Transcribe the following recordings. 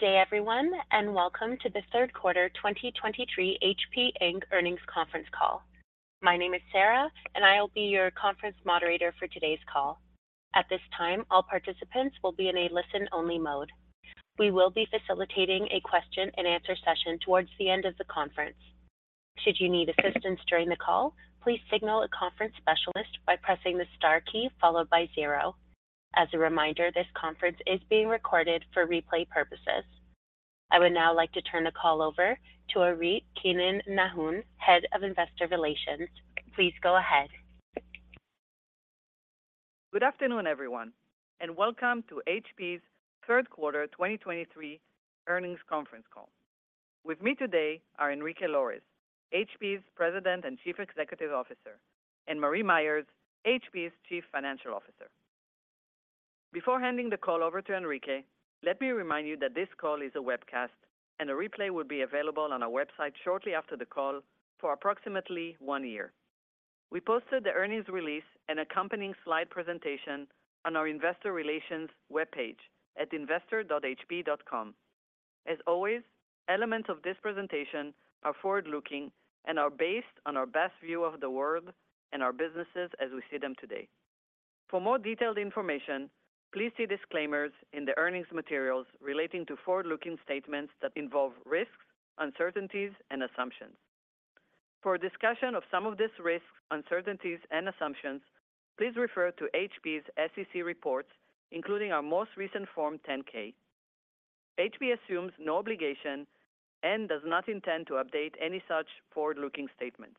Good day, everyone, and welcome to the Third Quarter 2023 HP Inc. Earnings Conference Call. My name is Sarah, and I will be your conference moderator for today's call. At this time, all participants will be in a listen-only mode. We will be facilitating a question and answer session towards the end of the conference. Should you need assistance during the call, please signal a conference specialist by pressing the star key followed by zero. As a reminder, this conference is being recorded for replay purposes. I would now like to turn the call over to Orit Keinan-Nahon, Head of Investor Relations. Please go ahead. Good afternoon, everyone, and welcome to HP's Third Quarter 2023 Earnings Conference Call. With me today are Enrique Lores, HP's President and Chief Executive Officer, and Marie Myers, HP's Chief Financial Officer. Before handing the call over to Enrique, let me remind you that this call is a webcast and a replay will be available on our website shortly after the call for approximately one year. We posted the earnings release and accompanying slide presentation on our investor relations webpage at investor.hp.com. As always, elements of this presentation are forward-looking and are based on our best view of the world and our businesses as we see them today. For more detailed information, please see disclaimers in the earnings materials relating to forward-looking statements that involve risks, uncertainties, and assumptions. For a discussion of some of these risks, uncertainties, and assumptions, please refer to HP's SEC reports, including our most recent Form 10-K. HP assumes no obligation and does not intend to update any such forward-looking statements.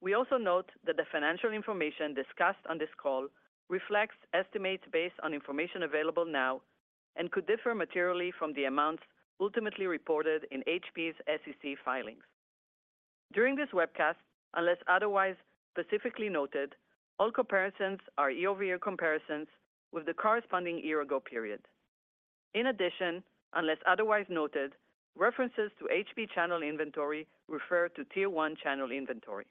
We also note that the financial information discussed on this call reflects estimates based on information available now and could differ materially from the amounts ultimately reported in HP's SEC filings. During this webcast, unless otherwise specifically noted, all comparisons are year-over-year comparisons with the corresponding year-ago period. In addition, unless otherwise noted, references to HP channel inventory refer to Tier One channel inventory.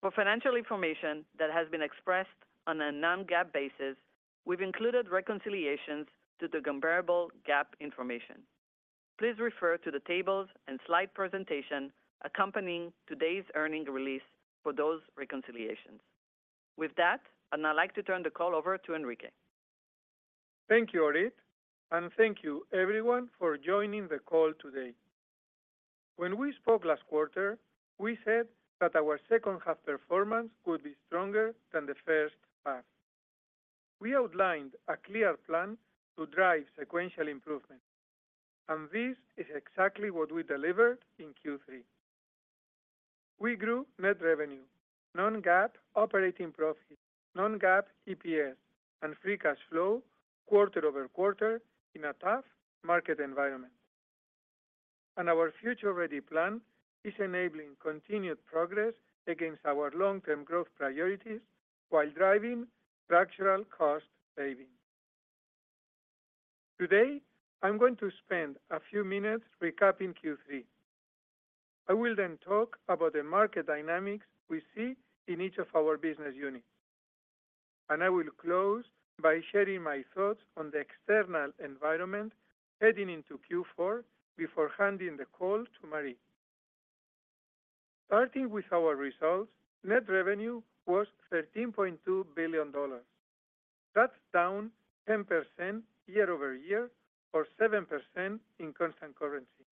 For financial information that has been expressed on a non-GAAP basis, we've included reconciliations to the comparable GAAP information. Please refer to the tables and slide presentation accompanying today's earnings release for those reconciliations. With that, I'd now like to turn the call over to Enrique. Thank you, Orit, and thank you everyone for joining the call today. When we spoke last quarter, we said that our second half performance would be stronger than the first half. We outlined a clear plan to drive sequential improvement, and this is exactly what we delivered in Q3. We grew net revenue, non-GAAP operating profit, non-GAAP EPS, and free cash flow quarter-over-quarter in a tough market environment. Our Future Ready plan is enabling continued progress against our long-term growth priorities while driving structural cost savings. Today, I'm going to spend a few minutes recapping Q3. I will then talk about the market dynamics we see in each of our business units, and I will close by sharing my thoughts on the external environment heading into Q4 before handing the call to Marie. Starting with our results, net revenue was $13.2 billion. That's down 10% year-over-year, or 7% in constant currency.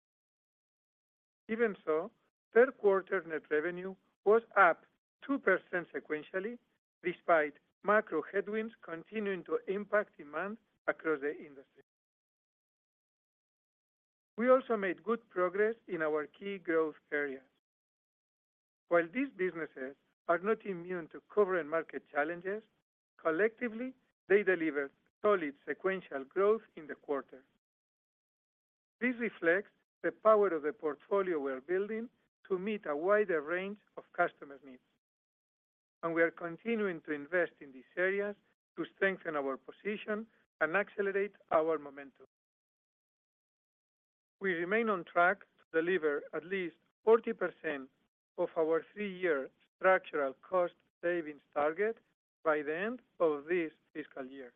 Even so, third quarter net revenue was up 2% sequentially, despite macro headwinds continuing to impact demand across the industry. We also made good progress in our key growth areas. While these businesses are not immune to current market challenges, collectively, they delivered solid sequential growth in the quarter. This reflects the power of the portfolio we are building to meet a wider range of customers' needs, and we are continuing to invest in these areas to strengthen our position and accelerate our momentum. We remain on track to deliver at least 40% of our three-year structural cost savings target by the end of this fiscal year.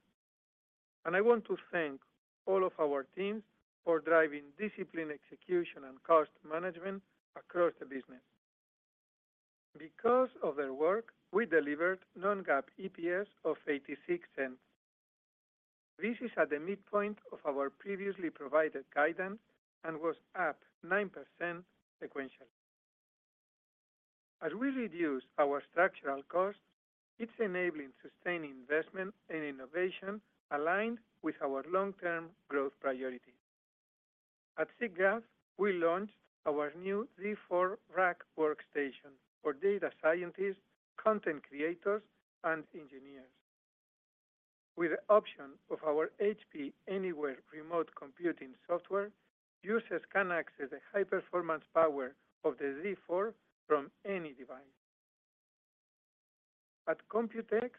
And I want to thank all of our teams for driving disciplined execution and cost management across the business. Because of their work, we delivered non-GAAP EPS of $0.86. This is at the midpoint of our previously provided guidance and was up 9% sequentially. As we reduce our structural costs, it's enabling sustained investment and innovation aligned with our long-term growth priorities. At SIGGRAPH, we launched our new Z4 Rack workstation for data scientists, content creators, and engineers. With the option of our HP Anyware remote computing software, users can access the high-performance power of the Z4 from any device. At Computex,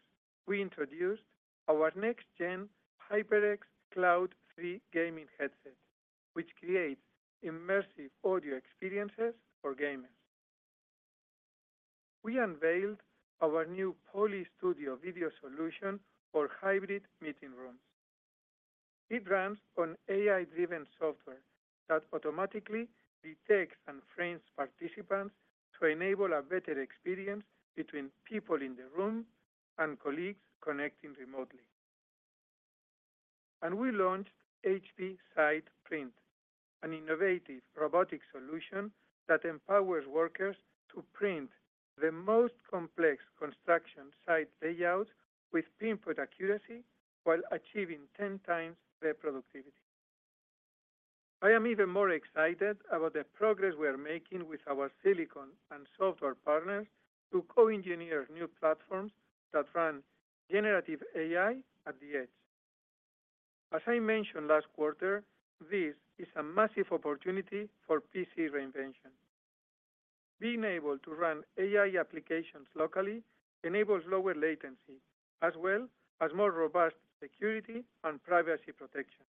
we introduced our next-gen HyperX Cloud III gaming headset, which creates immersive audio experiences for gamers. We unveiled our new Poly Studio video solution for hybrid meeting rooms. It runs on AI-driven software that automatically detects and frames participants to enable a better experience between people in the room and colleagues connecting remotely. We launched HP SitePrint, an innovative robotic solution that empowers workers to print the most complex construction site layouts with pinpoint accuracy while achieving ten times the productivity. I am even more excited about the progress we are making with our silicon and software partners to co-engineer new platforms that run generative AI at the edge. As I mentioned last quarter, this is a massive opportunity for PC reinvention. Being able to run AI applications locally enables lower latency, as well as more robust security and privacy protection.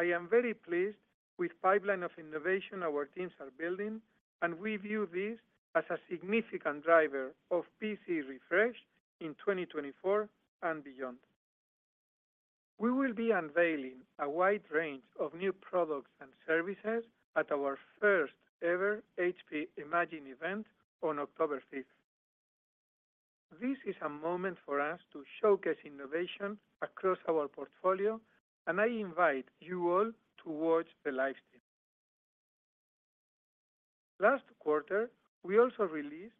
I am very pleased with pipeline of innovation our teams are building, and we view this as a significant driver of PC refresh in 2024 and beyond. We will be unveiling a wide range of new products and services at our first-ever HP Imagine event on October fifth. This is a moment for us to showcase innovation across our portfolio, and I invite you all to watch the live stream. Last quarter, we also released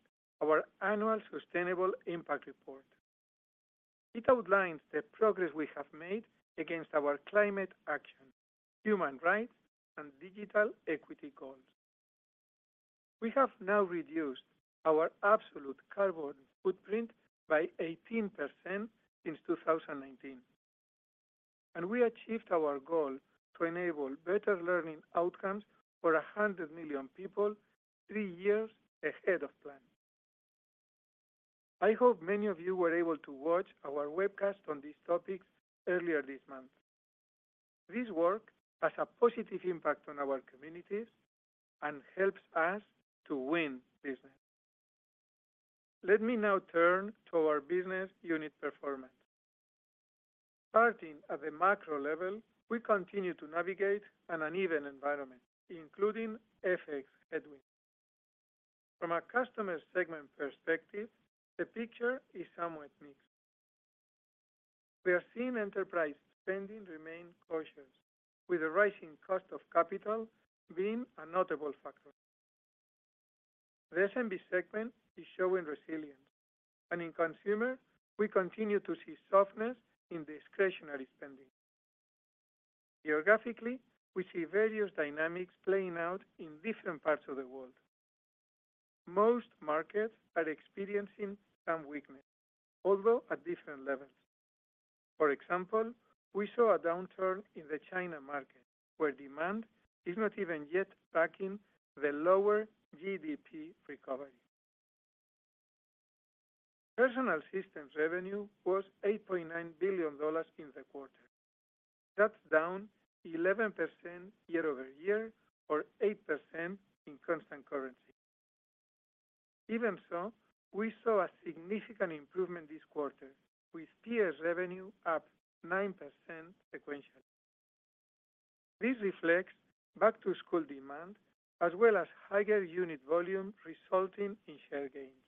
our annual Sustainable Impact Report. It outlines the progress we have made against our climate action, human rights, and digital equity goals. We have now reduced our absolute carbon footprint by 18% since 2019, and we achieved our goal to enable better learning outcomes for 100 million people, three years ahead of plan. I hope many of you were able to watch our webcast on these topics earlier this month. This work has a positive impact on our communities and helps us to win business. Let me now turn to our business unit performance. Starting at the macro level, we continue to navigate an uneven environment, including FX headwinds. From a customer segment perspective, the picture is somewhat mixed. We are seeing enterprise spending remain cautious, with the rising cost of capital being a notable factor. The SMB segment is showing resilience, and in consumer, we continue to see softness in discretionary spending. Geographically, we see various dynamics playing out in different parts of the world. Most markets are experiencing some weakness, although at different levels. For example, we saw a downturn in the China market, where demand is not even yet backing the lower GDP recovery. Personal systems revenue was $8.9 billion in the quarter. That's down 11% year-over-year or 8% in constant currency. Even so, we saw a significant improvement this quarter, with PS revenue up 9% sequentially. This reflects back-to-school demand, as well as higher unit volume, resulting in share gains.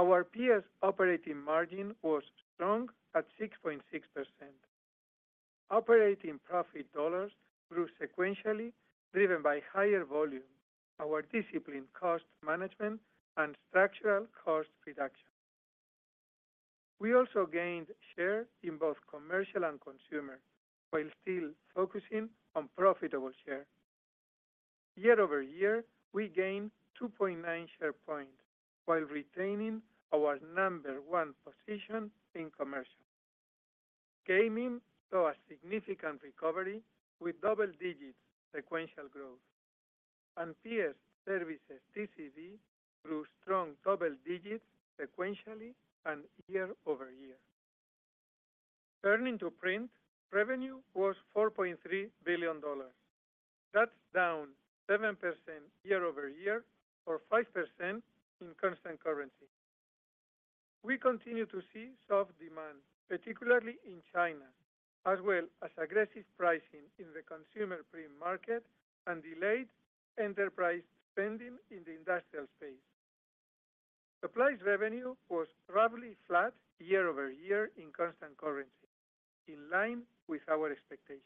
Our PS operating margin was strong at 6.6%. Operating profit dollars grew sequentially, driven by higher volume, our disciplined cost management, and structural cost reduction. We also gained share in both commercial and consumer, while still focusing on profitable share. Year-over-year, we gained 2.9 share points while retaining our number one position in commercial. Gaming saw a significant recovery with double digits sequential growth, and PS services TCV grew strong double digits sequentially and year-over-year. Turning to print, revenue was $4.3 billion. That's down 7% year-over-year or 5% in constant currency. We continue to see soft demand, particularly in China, as well as aggressive pricing in the consumer print market and delayed enterprise spending in the industrial space. Supplies revenue was roughly flat year-over-year in constant currency, in line with our expectations.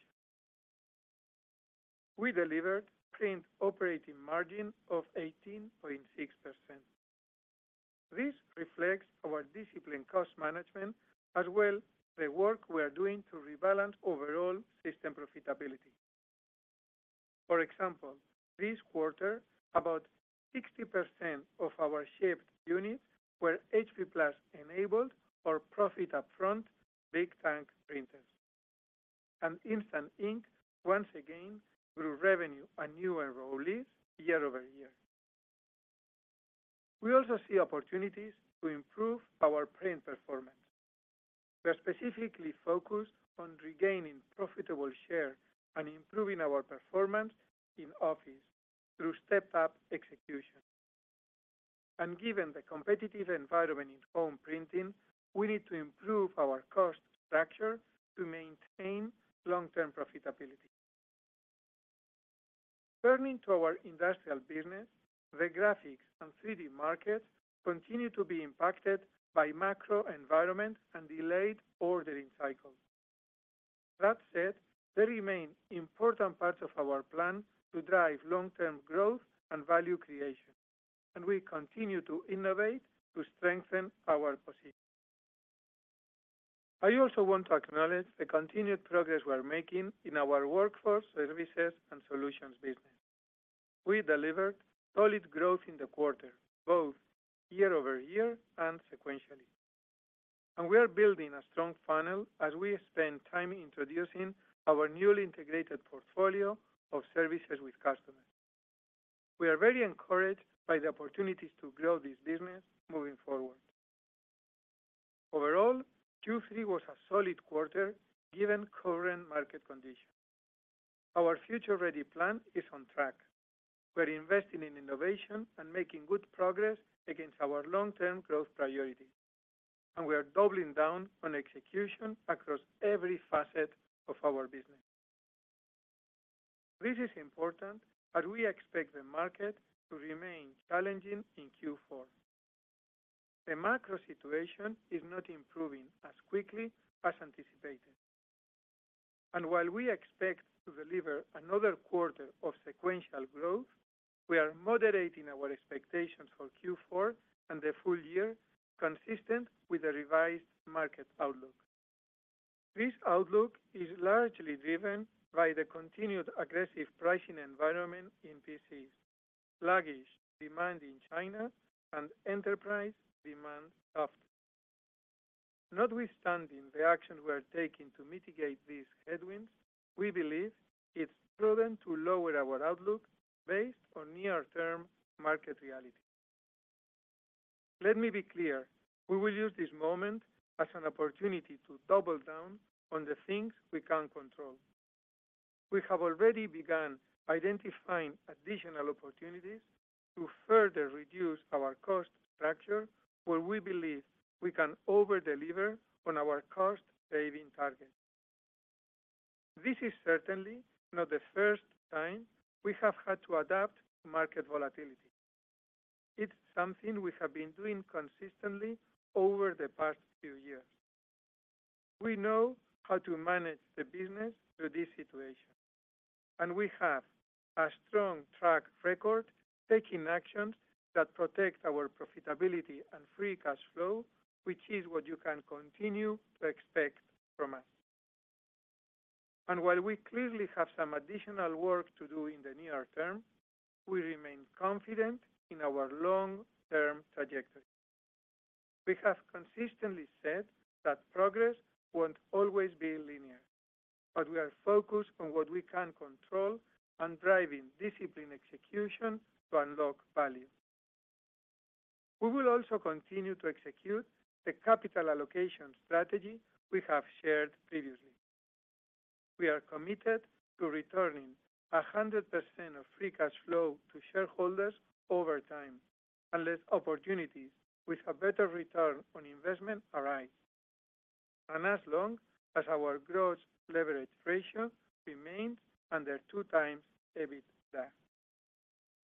We delivered print operating margin of 18.6%. This reflects our disciplined cost management, as well as the work we are doing to rebalance overall system profitability. For example, this quarter, about 60% of our shipped units were HP Plus-enabled or Profit Upfront big tank printers. And Instant Ink once again grew revenue and new enrollees year-over-year. We also see opportunities to improve our print performance. We are specifically focused on regaining profitable share and improving our performance in office through step-up execution. And given the competitive environment in home printing, we need to improve our cost structure to maintain long-term profitability. Turning to our industrial business, the graphics and 3D markets continue to be impacted by macro environment and delayed ordering cycles. That said, they remain important parts of our plan to drive long-term growth and value creation, and we continue to innovate to strengthen our position. I also want to acknowledge the continued progress we're making in our workforce, services, and solutions business. We delivered solid growth in the quarter, both year-over-year and sequentially. We are building a strong funnel as we spend time introducing our newly integrated portfolio of services with customers. We are very encouraged by the opportunities to grow this business moving forward. Overall, Q3 was a solid quarter given current market conditions. Our Future Ready plan is on track. We're investing in innovation and making good progress against our long-term growth priorities, and we are doubling down on execution across every facet of our business. This is important, as we expect the market to remain challenging in Q4. The macro situation is not improving as quickly as anticipated, and while we expect to deliver another quarter of sequential growth, we are moderating our expectations for Q4 and the full year, consistent with the revised market outlook. This outlook is largely driven by the continued aggressive pricing environment in PCs, sluggish demand in China, and enterprise demand softening. Notwithstanding the actions we are taking to mitigate these headwinds, we believe it's prudent to lower our outlook based on near-term market reality. Let me be clear, we will use this moment as an opportunity to double down on the things we can control. We have already begun identifying additional opportunities to further reduce our cost structure, where we believe we can over-deliver on our cost-saving targets. This is certainly not the first time we have had to adapt to market volatility. It's something we have been doing consistently over the past few years. We know how to manage the business through this situation, and we have a strong track record taking actions that protect our profitability and free cash flow, which is what you can continue to expect from us. While we clearly have some additional work to do in the near term, we remain confident in our long-term trajectory. We have consistently said that progress won't always be linear, but we are focused on what we can control and driving disciplined execution to unlock value. We will also continue to execute the capital allocation strategy we have shared previously. We are committed to returning 100% of free cash flow to shareholders over time, unless opportunities with a better return on investment arise, and as long as our gross leverage ratio remains under 2x EBITDA.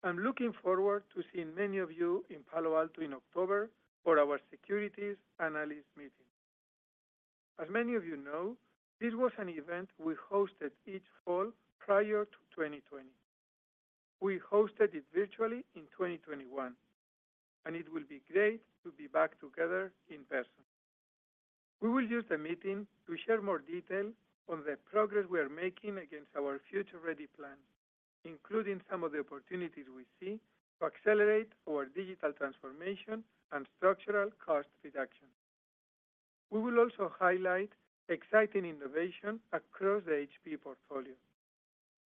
I'm looking forward to seeing many of you in Palo Alto in October for our securities analyst meeting. As many of you know, this was an event we hosted each fall prior to 2020. We hosted it virtually in 2021, and it will be great to be back together in person. We will use the meeting to share more details on the progress we are making against our Future Ready plan, including some of the opportunities we see to accelerate our digital transformation and structural cost reduction. We will also highlight exciting innovation across the HP portfolio,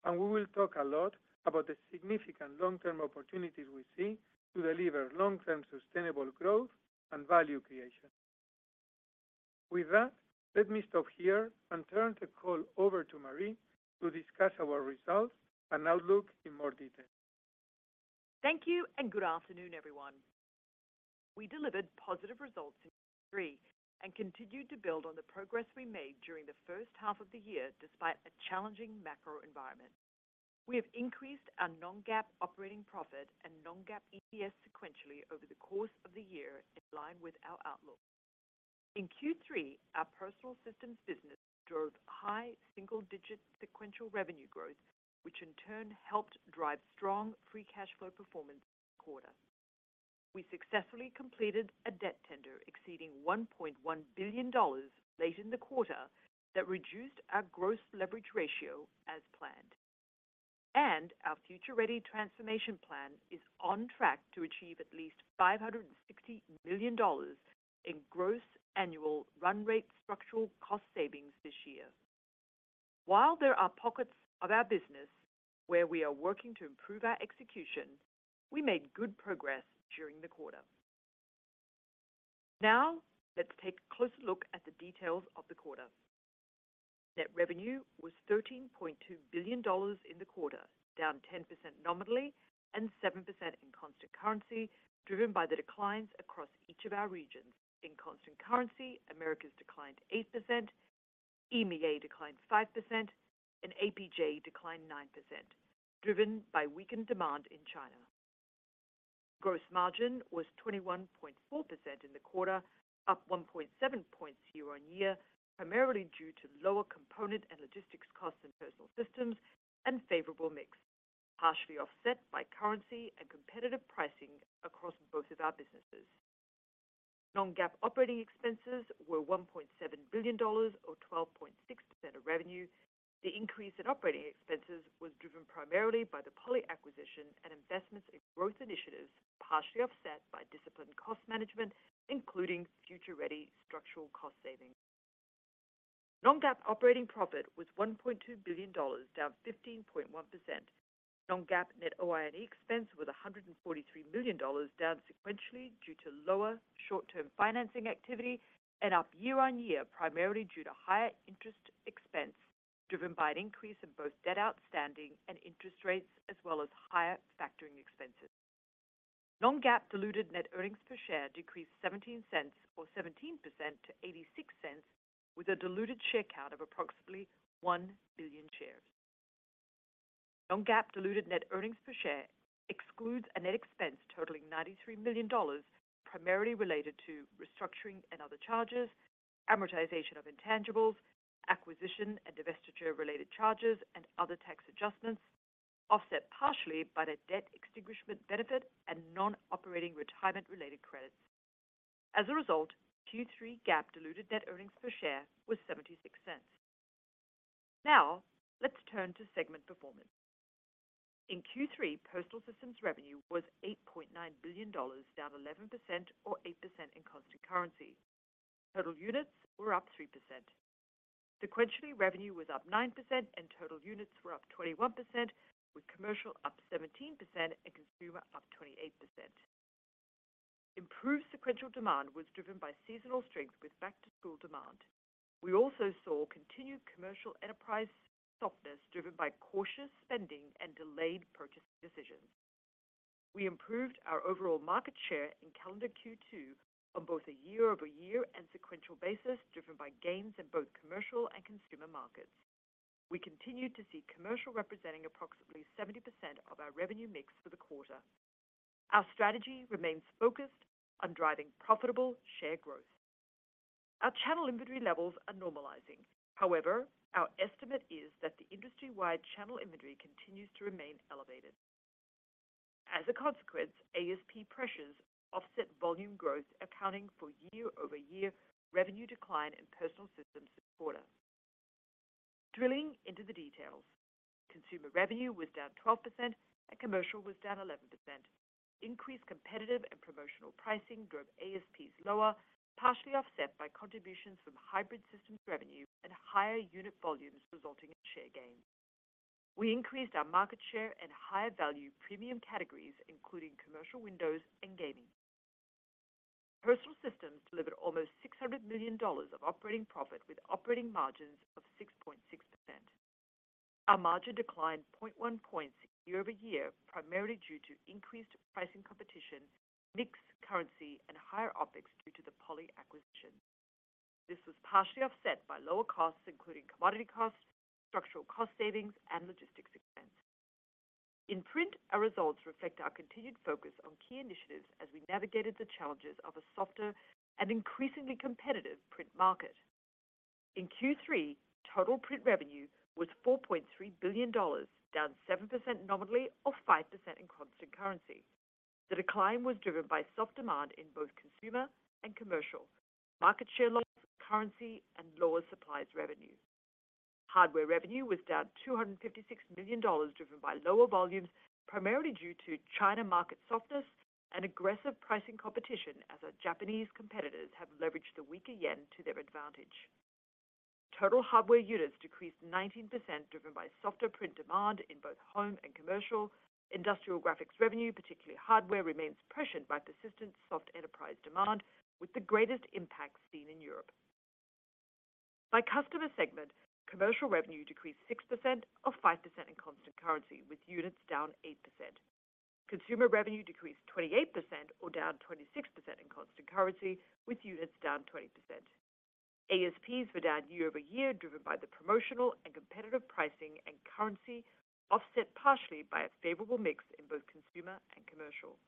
and we will talk a lot about the significant long-term opportunities we see to deliver long-term sustainable growth and value creation. With that, let me stop here and turn the call over to Marie to discuss our results and outlook in more detail. Thank you, and good afternoon, everyone. We delivered positive results in Q3 and continued to build on the progress we made during the first half of the year, despite a challenging macro environment. We have increased our non-GAAP operating profit and non-GAAP EPS sequentially over the course of the year, in line with our outlook. In Q3, our personal systems business drove high single-digit sequential revenue growth, which in turn helped drive strong free cash flow performance this quarter. We successfully completed a debt tender exceeding $1.1 billion late in the quarter that reduced our gross leverage ratio as planned. Our Future Ready transformation plan is on track to achieve at least $560 million in gross annual run rate structural cost savings this year. While there are pockets of our business where we are working to improve our execution, we made good progress during the quarter. Now, let's take a closer look at the details of the quarter. Net revenue was $13.2 billion in the quarter, down 10% nominally and 7% in constant currency, driven by the declines across each of our regions. In constant currency, Americas declined 8%, EMEA declined 5%, and APJ declined 9%, driven by weakened demand in China. Gross margin was 21.4% in the quarter, up 1.7 points year-on-year, primarily due to lower component and logistics costs in Personal Systems and favorable mix, partially offset by currency and competitive pricing across both of our businesses. Non-GAAP operating expenses were $1.7 billion or 12.6% of revenue. The increase in operating expenses was driven primarily by the Poly acquisition and investments in growth initiatives, partially offset by disciplined cost management, including Future Ready structural cost savings. Non-GAAP operating profit was $1.2 billion, down 15.1%. Non-GAAP net OI&E expense was $143 million, down sequentially due to lower short-term financing activity and up year-on-year, primarily due to higher interest expense, driven by an increase in both debt outstanding and interest rates, as well as higher factoring expenses. Non-GAAP diluted net earnings per share decreased 17 cents or 17% to 86 cents, with a diluted share count of approximately 1 billion shares. Non-GAAP diluted net earnings per share excludes a net expense totaling $93 million, primarily related to restructuring and other charges, amortization of intangibles, acquisition and divestiture-related charges, and other tax adjustments, offset partially by the debt extinguishment benefit and non-operating retirement-related credits. As a result, Q3 GAAP diluted net earnings per share was 76 cents. Now, let's turn to segment performance. In Q3, Personal Systems revenue was $8.9 billion, down 11% or 8% in constant currency. Total units were up 3%. Sequentially, revenue was up 9% and total units were up 21%, with commercial up 17% and consumer up 28%. Improved sequential demand was driven by seasonal strength with back-to-school demand. We also saw continued commercial enterprise softness, driven by cautious spending and delayed purchasing decisions. We improved our overall market share in calendar Q2 on both a year-over-year and sequential basis, driven by gains in both commercial and consumer markets. We continued to see commercial representing approximately 70% of our revenue mix for the quarter. Our strategy remains focused on driving profitable share growth. Our channel inventory levels are normalizing. However, our estimate is that the industry-wide channel inventory continues to remain elevated. As a consequence, ASP pressures offset volume growth, accounting for year-over-year revenue decline in Personal Systems this quarter. Drilling into the details, consumer revenue was down 12% and commercial was down 11%. Increased competitive and promotional pricing drove ASPs lower, partially offset by contributions from hybrid systems revenue and higher unit volumes resulting in share gains. We increased our market share in higher-value premium categories, including commercial workstations and gaming. Personal Systems delivered almost $600 million of operating profit with operating margins of 6.6%. Our margin declined 0.1 points year-over-year, primarily due to increased pricing competition, currency mix, and higher OpEx due to the Poly acquisition. This was partially offset by lower costs, including commodity costs, structural cost savings, and logistics expense. In Print, our results reflect our continued focus on key initiatives as we navigated the challenges of a softer and increasingly competitive print market. In Q3, total Print revenue was $4.3 billion, down 7% nominally or 5% in constant currency. The decline was driven by soft demand in both consumer and commercial, market share loss, currency, and lower supplies revenue. Hardware revenue was down $256 million, driven by lower volumes, primarily due to China market softness and aggressive pricing competition, as our Japanese competitors have leveraged the weaker yen to their advantage. Total hardware units decreased 19%, driven by softer print demand in both home and commercial. Industrial graphics revenue, particularly hardware, remains pressured by persistent soft enterprise demand, with the greatest impact seen in Europe. By customer segment, commercial revenue decreased 6% or 5% in constant currency, with units down 8%. Consumer revenue decreased 28% or down 26% in constant currency, with units down 20%. ASPs were down year-over-year, driven by the promotional and competitive pricing and currency, offset partially by a favorable mix in both consumer and commercial.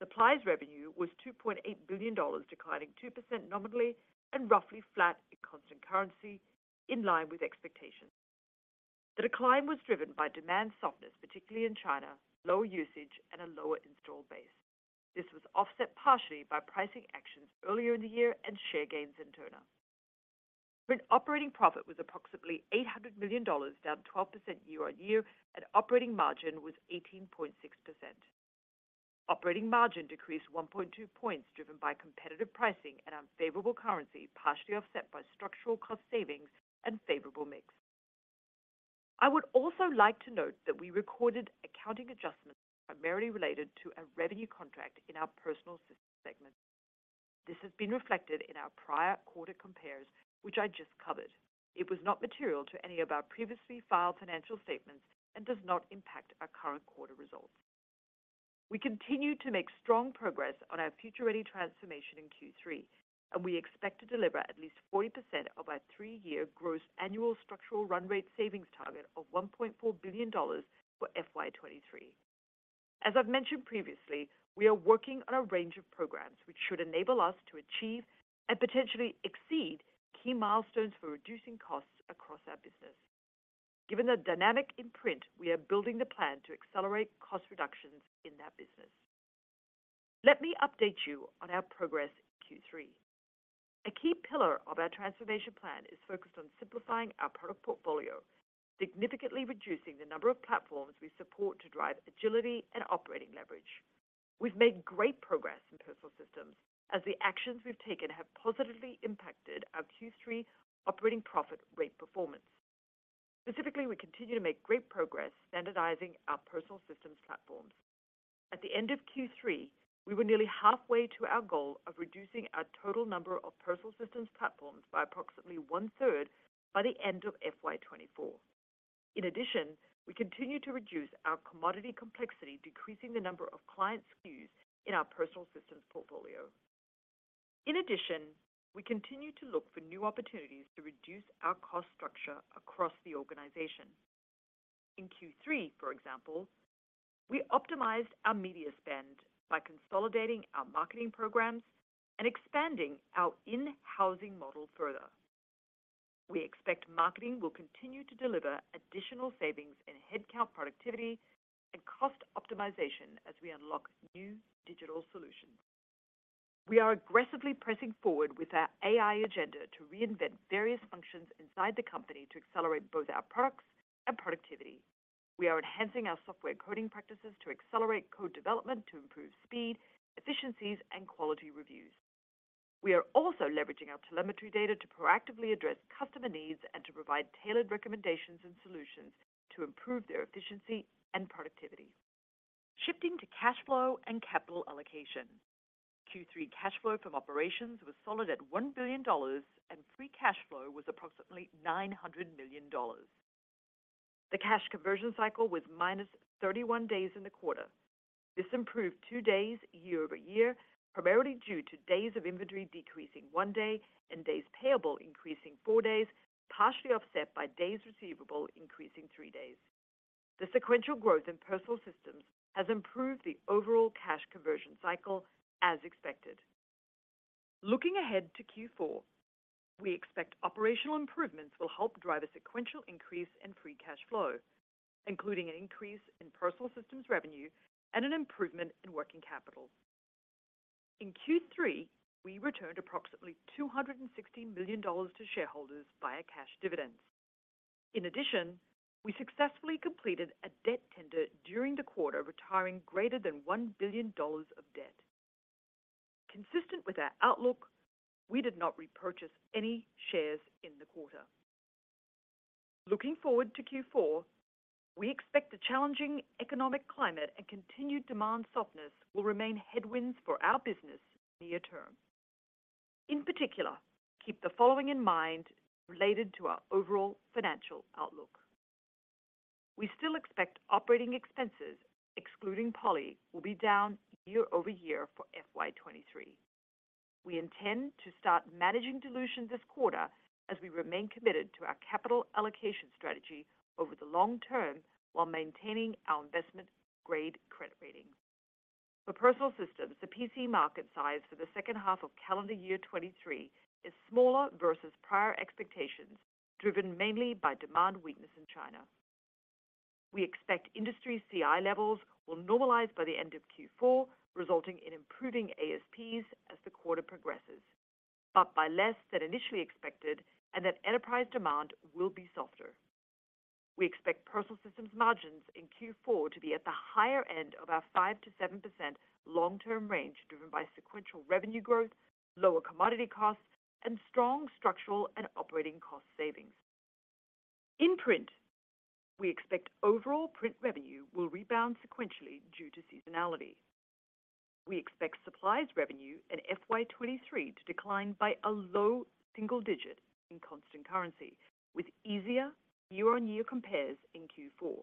Supplies revenue was $2.8 billion, declining 2% nominally and roughly flat in constant currency, in line with expectations. The decline was driven by demand softness, particularly in China, lower usage, and a lower installed base. This was offset partially by pricing actions earlier in the year and share gains in toner. Print operating profit was approximately $800 million, down 12% year-on-year, and operating margin was 18.6%. Operating margin decreased 1.2 points, driven by competitive pricing and unfavorable currency, partially offset by structural cost savings and favorable mix. I would also like to note that we recorded accounting adjustments primarily related to a revenue contract in our Personal Systems segment. This has been reflected in our prior quarter compares, which I just covered. It was not material to any of our previously filed financial statements and does not impact our current quarter results. We continue to make strong progress on our Future Ready transformation in Q3, and we expect to deliver at least 40% of our three-year gross annual structural run rate savings target of $1.4 billion for FY 2023. As I've mentioned previously, we are working on a range of programs, which should enable us to achieve and potentially exceed key milestones for reducing costs across our business. Given the dynamic in Print, we are building the plan to accelerate cost reductions in that business. Let me update you on our progress in Q3. A key pillar of our transformation plan is focused on simplifying our product portfolio, significantly reducing the number of platforms we support to drive agility and operating leverage. We've made great progress in Personal Systems as the actions we've taken have positively impacted our Q3 operating profit rate performance. Specifically, we continue to make great progress standardizing our Personal Systems platforms. At the end of Q3, we were nearly halfway to our goal of reducing our total number of Personal Systems platforms by approximately one-third by the end of FY 2024. In addition, we continue to reduce our commodity complexity, decreasing the number of client SKUs in our Personal Systems portfolio. In addition, we continue to look for new opportunities to reduce our cost structure across the organization. In Q3, for example, we optimized our media spend by consolidating our marketing programs and expanding our in-housing model further. We expect marketing will continue to deliver additional savings in headcount, productivity, and cost optimization as we unlock new digital solutions. We are aggressively pressing forward with our AI agenda to reinvent various functions inside the company to accelerate both our products and productivity. We are enhancing our software coding practices to accelerate code development to improve speed, efficiencies, and quality reviews. We are also leveraging our telemetry data to proactively address customer needs and to provide tailored recommendations and solutions to improve their efficiency and productivity. Shifting to cash flow and capital allocation. Q3 cash flow from operations was solid at $1 billion, and free cash flow was approximately $900 million. The cash conversion cycle was minus 31 days in the quarter. This improved two days year-over-year, primarily due to days of inventory decreasing one day and days payable increasing four days, partially offset by days receivable increasing three days. The sequential growth in Personal Systems has improved the overall cash conversion cycle as expected. Looking ahead to Q4, we expect operational improvements will help drive a sequential increase in free cash flow, including an increase in Personal Systems revenue and an improvement in working capital. In Q3, we returned approximately $260 million to shareholders via cash dividends. In addition, we successfully completed a debt tender during the quarter, retiring greater than $1 billion of debt. Consistent with our outlook, we did not repurchase any shares in the quarter. Looking forward to Q4, we expect a challenging economic climate and continued demand softness will remain headwinds for our business near term. In particular, keep the following in mind related to our overall financial outlook. We still expect operating expenses, excluding Poly, will be down year-over-year for FY 2023. We intend to start managing dilution this quarter as we remain committed to our capital allocation strategy over the long term while maintaining our investment-grade credit rating. For Personal Systems, the PC market size for the second half of calendar year 2023 is smaller versus prior expectations, driven mainly by demand weakness in China. We expect industry CI levels will normalize by the end of Q4, resulting in improving ASPs as the quarter progresses, but by less than initially expected, and that enterprise demand will be softer. We expect Personal Systems margins in Q4 to be at the higher end of our 5% to 7% long-term range, driven by sequential revenue growth, lower commodity costs, and strong structural and operating cost savings. In Print, we expect overall Print revenue will rebound sequentially due to seasonality. We expect Supplies revenue in FY 2023 to decline by a low single digit in constant currency, with easier year-on-year compares in Q4.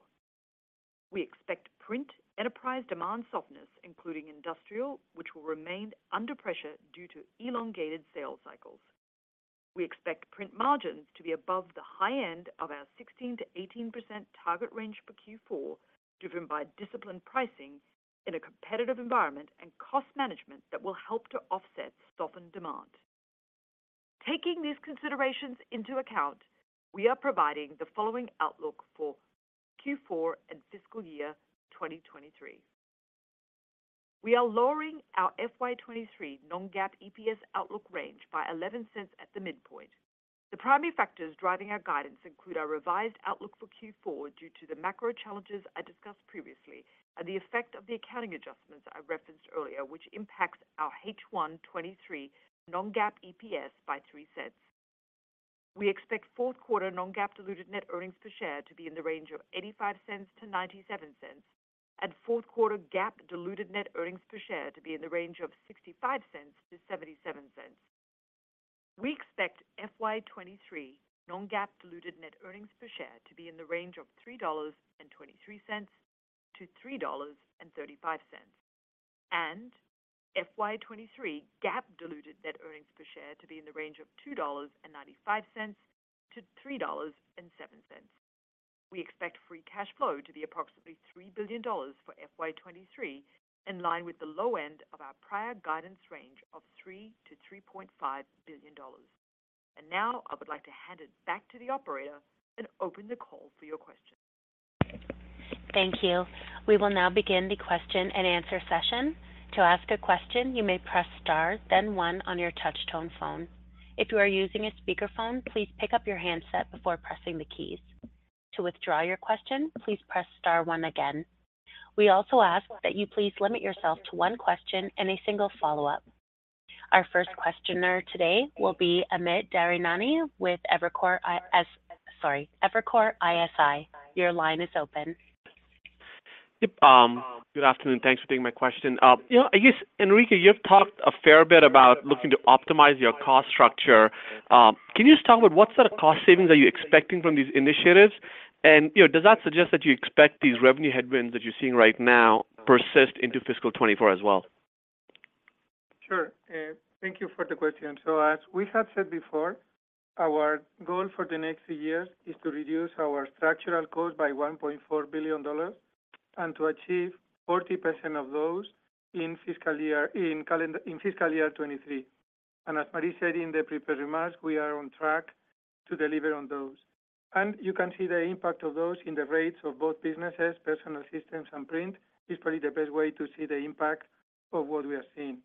We expect Print enterprise demand softness, including industrial, which will remain under pressure due to elongated sales cycles. We expect Print margins to be above the high end of our 16% to 18% target range for Q4, driven by disciplined pricing in a competitive environment and cost management that will help to offset softened demand. Taking these considerations into account, we are providing the following outlook for Q4 and fiscal year 2023. We are lowering our FY 2023 non-GAAP EPS outlook range by $0.11 at the midpoint. The primary factors driving our guidance include our revised outlook for Q4 due to the macro challenges I discussed previously, and the effect of the accounting adjustments I referenced earlier, which impacts our H1 2023 non-GAAP EPS by $0.03. We expect fourth quarter non-GAAP diluted net earnings per share to be in the range of $0.85 to $0.97, and fourth quarter GAAP diluted net earnings per share to be in the range of $0.65-$0.77. We expect FY 2023 non-GAAP diluted net earnings per share to be in the range of $3.23 to $3.35. FY 2023 GAAP diluted net earnings per share to be in the range of $2.95-$3.07. We expect free cash flow to be approximately $3 billion for FY 2023, in line with the low end of our prior guidance range of $3 to $3.5 billion. Now I would like to hand it back to the operator and open the call for your questions. Thank you. We will now begin the question-and-answer session. To ask a question, you may press star, then one on your touch tone phone. If you are using a speakerphone, please pick up your handset before pressing the keys. To withdraw your question, please press star one again. We also ask that you please limit yourself to one question and a single follow-up. Our first questioner today will be Amit Daryanani with Evercore IS- sorry, Evercore ISI. Your line is open. Yep, good afternoon. Thanks for taking my question. You know, I guess, Enrique, you've talked a fair bit about looking to optimize your cost structure. Can you just talk about what sort of cost savings are you expecting from these initiatives? And, you know, does that suggest that you expect these revenue headwinds that you're seeing right now persist into fiscal 2024 as well? Sure. Thank you for the question. So as we have said before, our goal for the next few years is to reduce our structural cost by $1.4 billion and to achieve 40% of those in fiscal year 2023. And as Marie said in the prepared remarks, we are on track to deliver on those. And you can see the impact of those in the rates of both businesses, Personal Systems and Print, is probably the best way to see the impact of what we are seeing.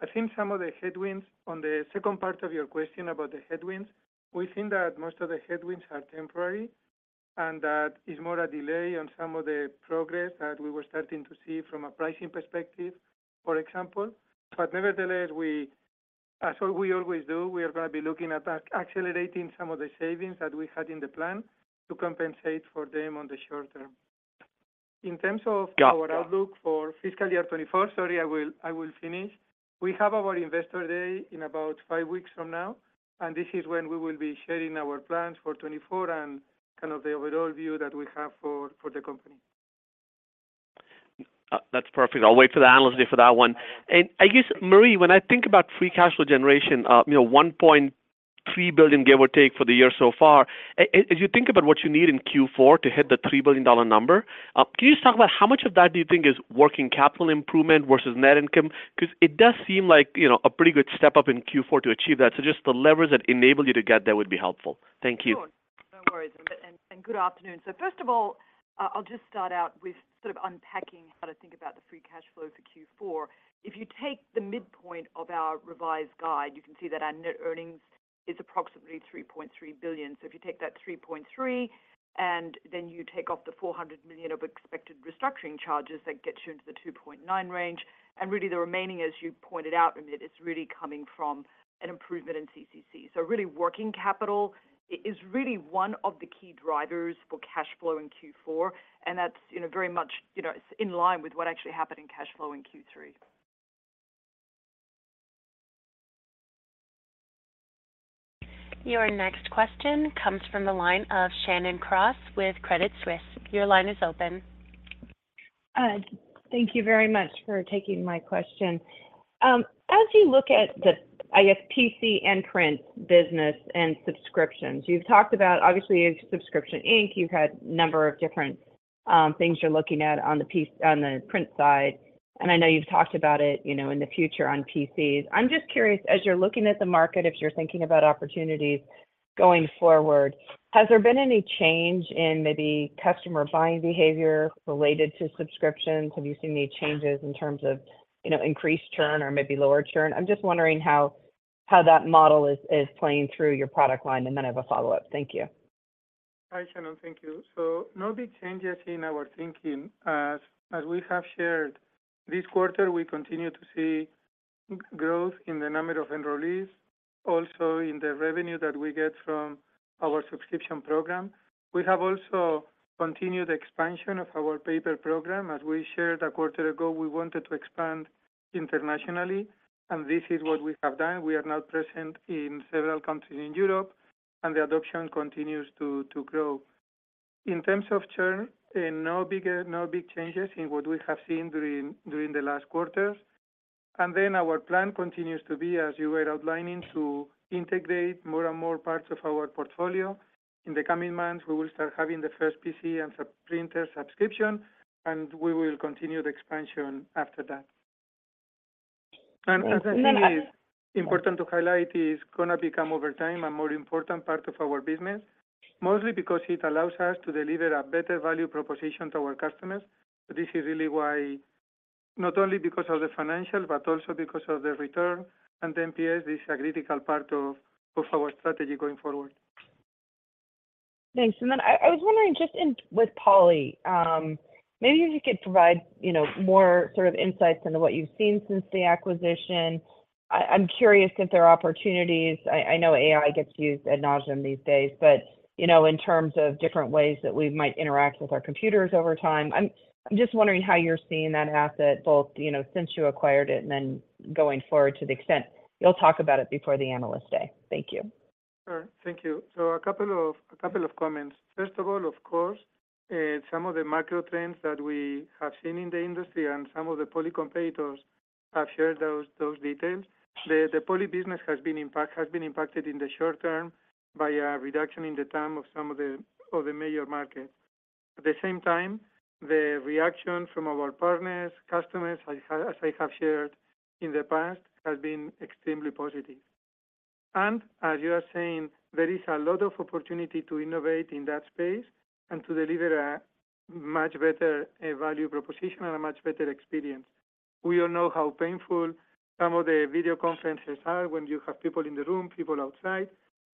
I think some of the headwinds on the second part of your question about the headwinds, we think that most of the headwinds are temporary and that is more a delay on some of the progress that we were starting to see from a pricing perspective, for example. But nevertheless, we, as we always do, we are going to be looking at accelerating some of the savings that we had in the plan to compensate for them on the short term. In terms of- Got it. Our outlook for fiscal year 2024. Sorry, I will, I will finish. We have our Investor Day in about five weeks from now, and this is when we will be sharing our plans for 2024 and kind of the overall view that we have for, for the company. That's perfect. I'll wait for the analyst day for that one. I guess, Marie, when I think about free cash flow generation, you know, $1.3 billion, give or take, for the year so far, as you think about what you need in Q4 to hit the $3 billion number, can you just talk about how much of that do you think is working capital improvement versus net income? Because it does seem like, you know, a pretty good step up in Q4 to achieve that. So just the levers that enable you to get there would be helpful. Thank you. Sure. No worries, Amit, and good afternoon. So first of all, I'll just start out with sort of unpacking how to think about the free cash flow for Q4. If you take the midpoint of our revised guide, you can see that our net earnings is approximately $3.3 billion. So if you take that $3.3 billion, and then you take off the $400 million of expected restructuring charges, that gets you into the $2.9 billion range. And really the remaining, as you pointed out, Amit, it's really coming from an improvement in CCC. So really, working capital is really one of the key drivers for cash flow in Q4, and that's, you know, very much, you know, it's in line with what actually happened in cash flow in Q3. Your next question comes from the line of Shannon Cross with Credit Suisse. Your line is open. Thank you very much for taking my question. As you look at the, I guess, PC and print business and subscriptions, you've talked about, obviously, subscription ink. You've had a number of different things you're looking at on the print side, and I know you've talked about it, you know, in the future on PCs. I'm just curious, as you're looking at the market, if you're thinking about opportunities going forward, has there been any change in maybe customer buying behavior related to subscriptions? Have you seen any changes in terms of, you know, increased churn or maybe lower churn? I'm just wondering how that model is playing through your product line? And then I have a follow-up. Thank you. Hi, Shannon. Thank you. So no big changes in our thinking. As we have shared this quarter, we continue to see growth in the number of enrollees, also in the revenue that we get from our subscription program. We have also continued expansion of our paper program. As we shared a quarter ago, we wanted to expand internationally, and this is what we have done. We are now present in several countries in Europe, and the adoption continues to grow. In terms of churn, no big changes in what we have seen during the last quarters. And then our plan continues to be, as you were outlining, to integrate more and more parts of our portfolio. In the coming months, we will start having the first PC and printer subscription, and we will continue the expansion after that. And as I say- And then- Important to highlight, is gonna become over time a more important part of our business, mostly because it allows us to deliver a better value proposition to our customers. So this is really why not only because of the financials, but also because of the return. And then PS is a critical part of our strategy going forward. Thanks. Then I was wondering, just in with Poly, maybe if you could provide, you know, more sort of insights into what you've seen since the acquisition? I'm curious if there are opportunities. I know AI gets used ad nauseam these days, but, you know, in terms of different ways that we might interact with our computers over time, I'm just wondering how you're seeing that asset, both, you know, since you acquired it and then going forward to the extent you'll talk about it before the Analyst Day? Thank you. Sure. Thank you. So a couple of, a couple of comments. First of all, of course, some of the macro trends that we have seen in the industry and some of the Poly competitors have shared those, those details. The Poly business has been impacted in the short term by a reduction in the term of some of the, of the major markets. At the same time, the reaction from our partners, customers, as I, as I have shared in the past, has been extremely positive. And as you are saying, there is a lot of opportunity to innovate in that space and to deliver a much better value proposition and a much better experience. We all know how painful some of the video conferences are when you have people in the room, people outside,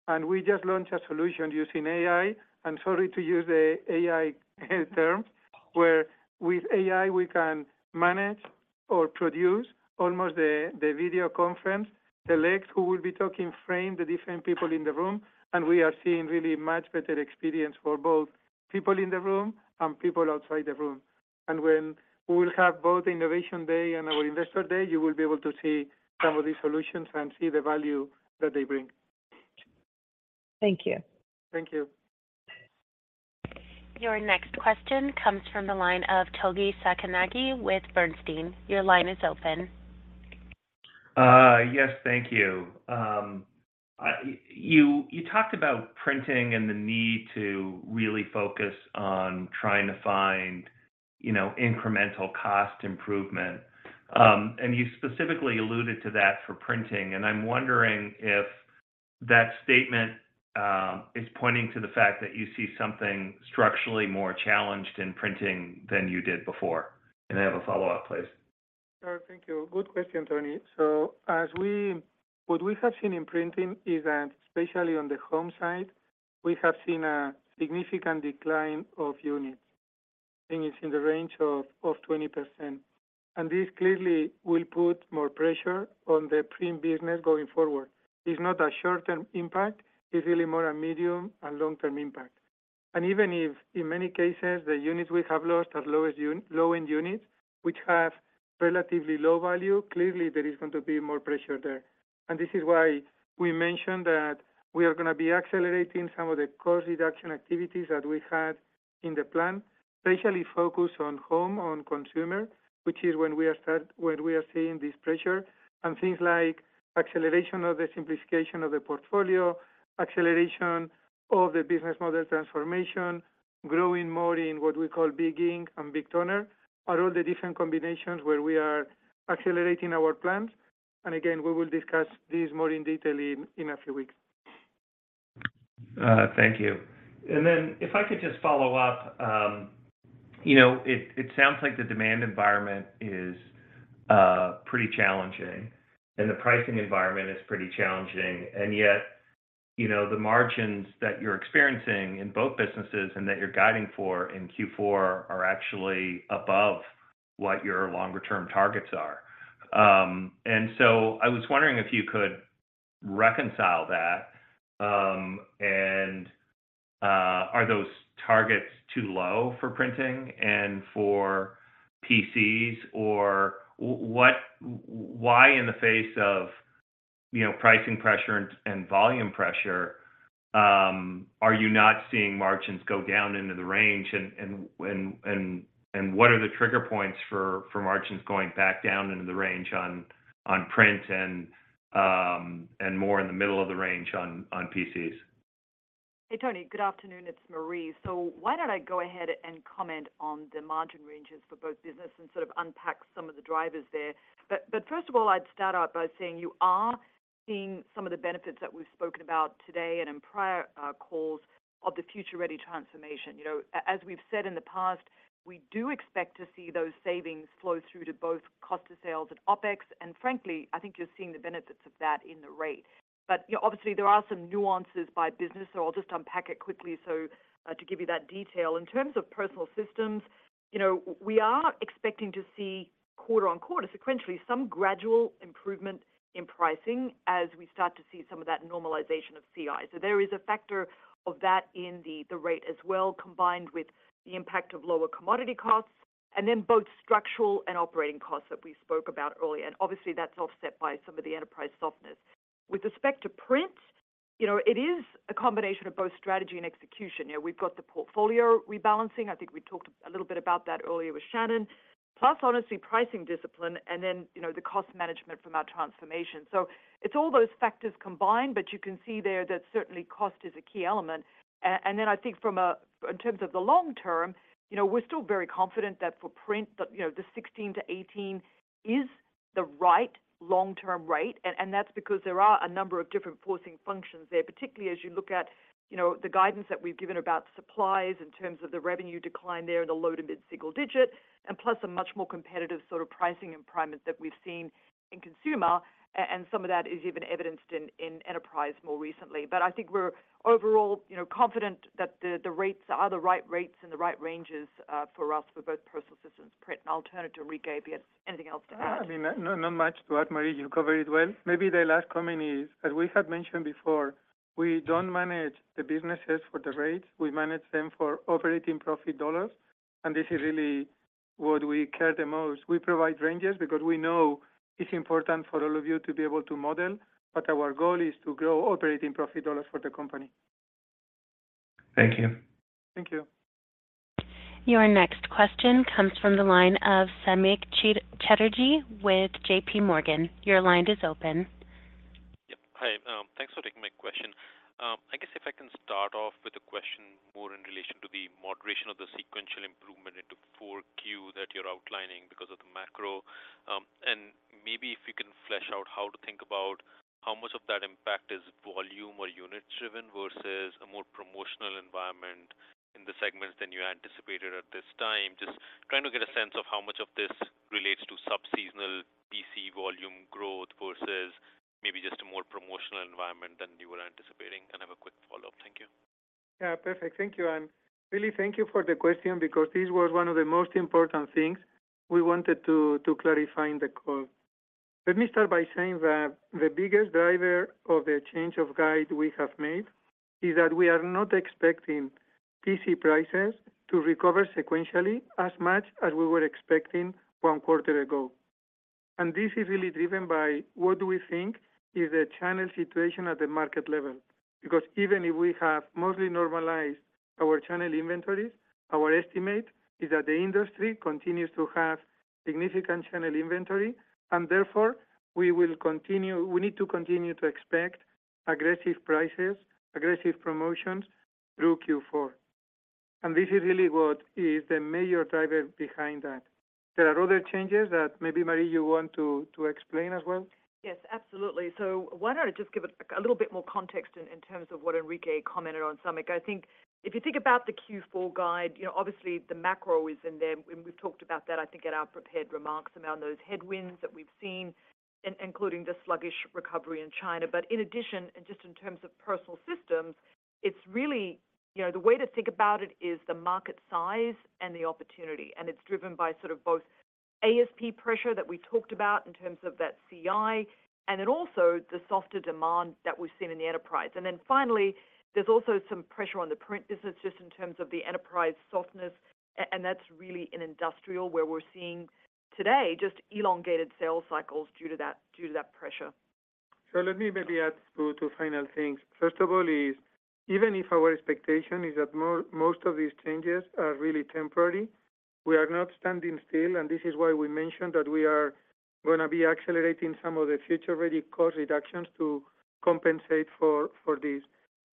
and we just launched a solution using AI, and sorry to use an AI term, where with AI we can manage or produce almost the video conference, the ones who will be talking, frame the different people in the room, and we are seeing really much better experience for both people in the room and people outside the room. And when we will have both Innovation Day and our Investor Day, you will be able to see some of these solutions and see the value that they bring. Thank you. Thank you. Your next question comes from the line of Toni Sacconaghi with Bernstein. Your line is open. Yes, thank you. You talked about printing and the need to really focus on trying to find, you know, incremental cost improvement. And you specifically alluded to that for printing, and I'm wondering if that statement is pointing to the fact that you see something structurally more challenged in printing than you did before? I have a follow-up, please. Sure, thank you. Good question, Tony. So as we, what we have seen in printing is that, especially on the home side, we have seen a significant decline of units, and it's in the range of 20%. And this clearly will put more pressure on the print business going forward. It's not a short-term impact. It's really more a medium and long-term impact. And even if, in many cases, the units we have lost are low-end units, which have relatively low value, clearly there is going to be more pressure there. And this is why we mentioned that we are gonna be accelerating some of the cost reduction activities that we had in the plan, especially focused on home, on consumer, where we are seeing this pressure. Things like acceleration of the simplification of the portfolio, acceleration of the business model transformation, growing more in what we call big ink and big toner, are all the different combinations where we are accelerating our plans. Again, we will discuss this more in detail in a few weeks. Thank you. And then if I could just follow up, you know, it sounds like the demand environment is pretty challenging, and the pricing environment is pretty challenging, and yet, you know, the margins that you're experiencing in both businesses and that you're guiding for in Q4 are actually above what your longer term targets are. And so I was wondering if you could reconcile that, and are those targets too low for printing and for PCs? Or what, why in the face of, you know, pricing pressure and volume pressure, are you not seeing margins go down into the range, and what are the trigger points for margins going back down into the range on print and more in the middle of the range on PCs? Hey, Tony, good afternoon. It's Marie. So why don't I go ahead and comment on the margin ranges for both business and sort of unpack some of the drivers there. But first of all, I'd start out by saying you are seeing some of the benefits that we've spoken about today and in prior calls of the Future Ready transformation. You know, as we've said in the past, we do expect to see those savings flow through to both cost of sales and OpEx, and frankly, I think you're seeing the benefits of that in the rate. But, you know, obviously there are some nuances by business, so I'll just unpack it quickly to give you that detail. In terms of personal systems, you know, we are expecting to see quarter on quarter, sequentially, some gradual improvement in pricing as we start to see some of that normalization of CI. So there is a factor of that in the rate as well, combined with the impact of lower commodity costs, and then both structural and operating costs that we spoke about earlier, and obviously that's offset by some of the enterprise softness. With respect to print, you know, it is a combination of both strategy and execution. You know, we've got the portfolio rebalancing, I think we talked a little bit about that earlier with Shannon, plus honestly, pricing discipline, and then, you know, the cost management from our transformation. So it's all those factors combined, but you can see there that certainly cost is a key element. And then I think from a, in terms of the long term, you know, we're still very confident that for print, that, you know, the 16-18... is the right long-term rate, and that's because there are a number of different forcing functions there, particularly as you look at, you know, the guidance that we've given about supplies in terms of the revenue decline there in the low to mid single-digit, and plus a much more competitive sort of pricing environment that we've seen in consumer. And some of that is even evidenced in enterprise more recently. But I think we're overall, you know, confident that the rates are the right rates and the right ranges for us, for both Personal Systems, Print Alternative, Enrique, anything else to add? I mean, no, not much to add, Marie, you covered it well. Maybe the last comment is, as we had mentioned before, we don't manage the businesses for the rates. We manage them for operating profit dollars, and this is really what we care the most. We provide ranges because we know it's important for all of you to be able to model, but our goal is to grow operating profit dollars for the company. Thank you. Thank you. Your next question comes from the line of Samik Chatterjee with J.P. Morgan. Your line is open. Yep. Hi, thanks for taking my question. I guess if I can start off with a question more in relation to the moderation of the sequential improvement into Q4 that you're outlining because of the macro. And maybe if you can flesh out how to think about how much of that impact is volume or unit driven versus a more promotional environment in the segments than you anticipated at this time? Just trying to get a sense of how much of this relates to sub-seasonal PC volume growth versus maybe just a more promotional environment than you were anticipating? And I have a quick follow-up. Thank you. Yeah, perfect. Thank you. And really thank you for the question, because this was one of the most important things we wanted to, to clarify in the call. Let me start by saying that the biggest driver of the change of guide we have made is that we are not expecting PC prices to recover sequentially as much as we were expecting one quarter ago. And this is really driven by what we think is a channel situation at the market level. Because even if we have mostly normalized our channel inventories, our estimate is that the industry continues to have significant channel inventory, and therefore, we will continue... We need to continue to expect aggressive prices, aggressive promotions through Q4. And this is really what is the major driver behind that. There are other changes that maybe, Marie, you want to, to explain as well? Yes, absolutely. So why don't I just give a little bit more context in terms of what Enrique commented on, Samik? I think if you think about the Q4 guide, you know, obviously the macro is in there, and we've talked about that, I think, in our prepared remarks around those headwinds that we've seen, including the sluggish recovery in China. But in addition, and just in terms of Personal Systems, it's really, you know, the way to think about it is the market size and the opportunity, and it's driven by sort of both ASP pressure that we talked about in terms of that CI, and then also the softer demand that we've seen in the enterprise. And then finally, there's also some pressure on the Print business just in terms of the enterprise softness, and that's really in industrial, where we're seeing today just elongated sales cycles due to that, due to that pressure. So let me maybe add two final things. First of all, is even if our expectation is that most of these changes are really temporary, we are not standing still, and this is why we mentioned that we are going to be accelerating some of the future-ready cost reductions to compensate for this.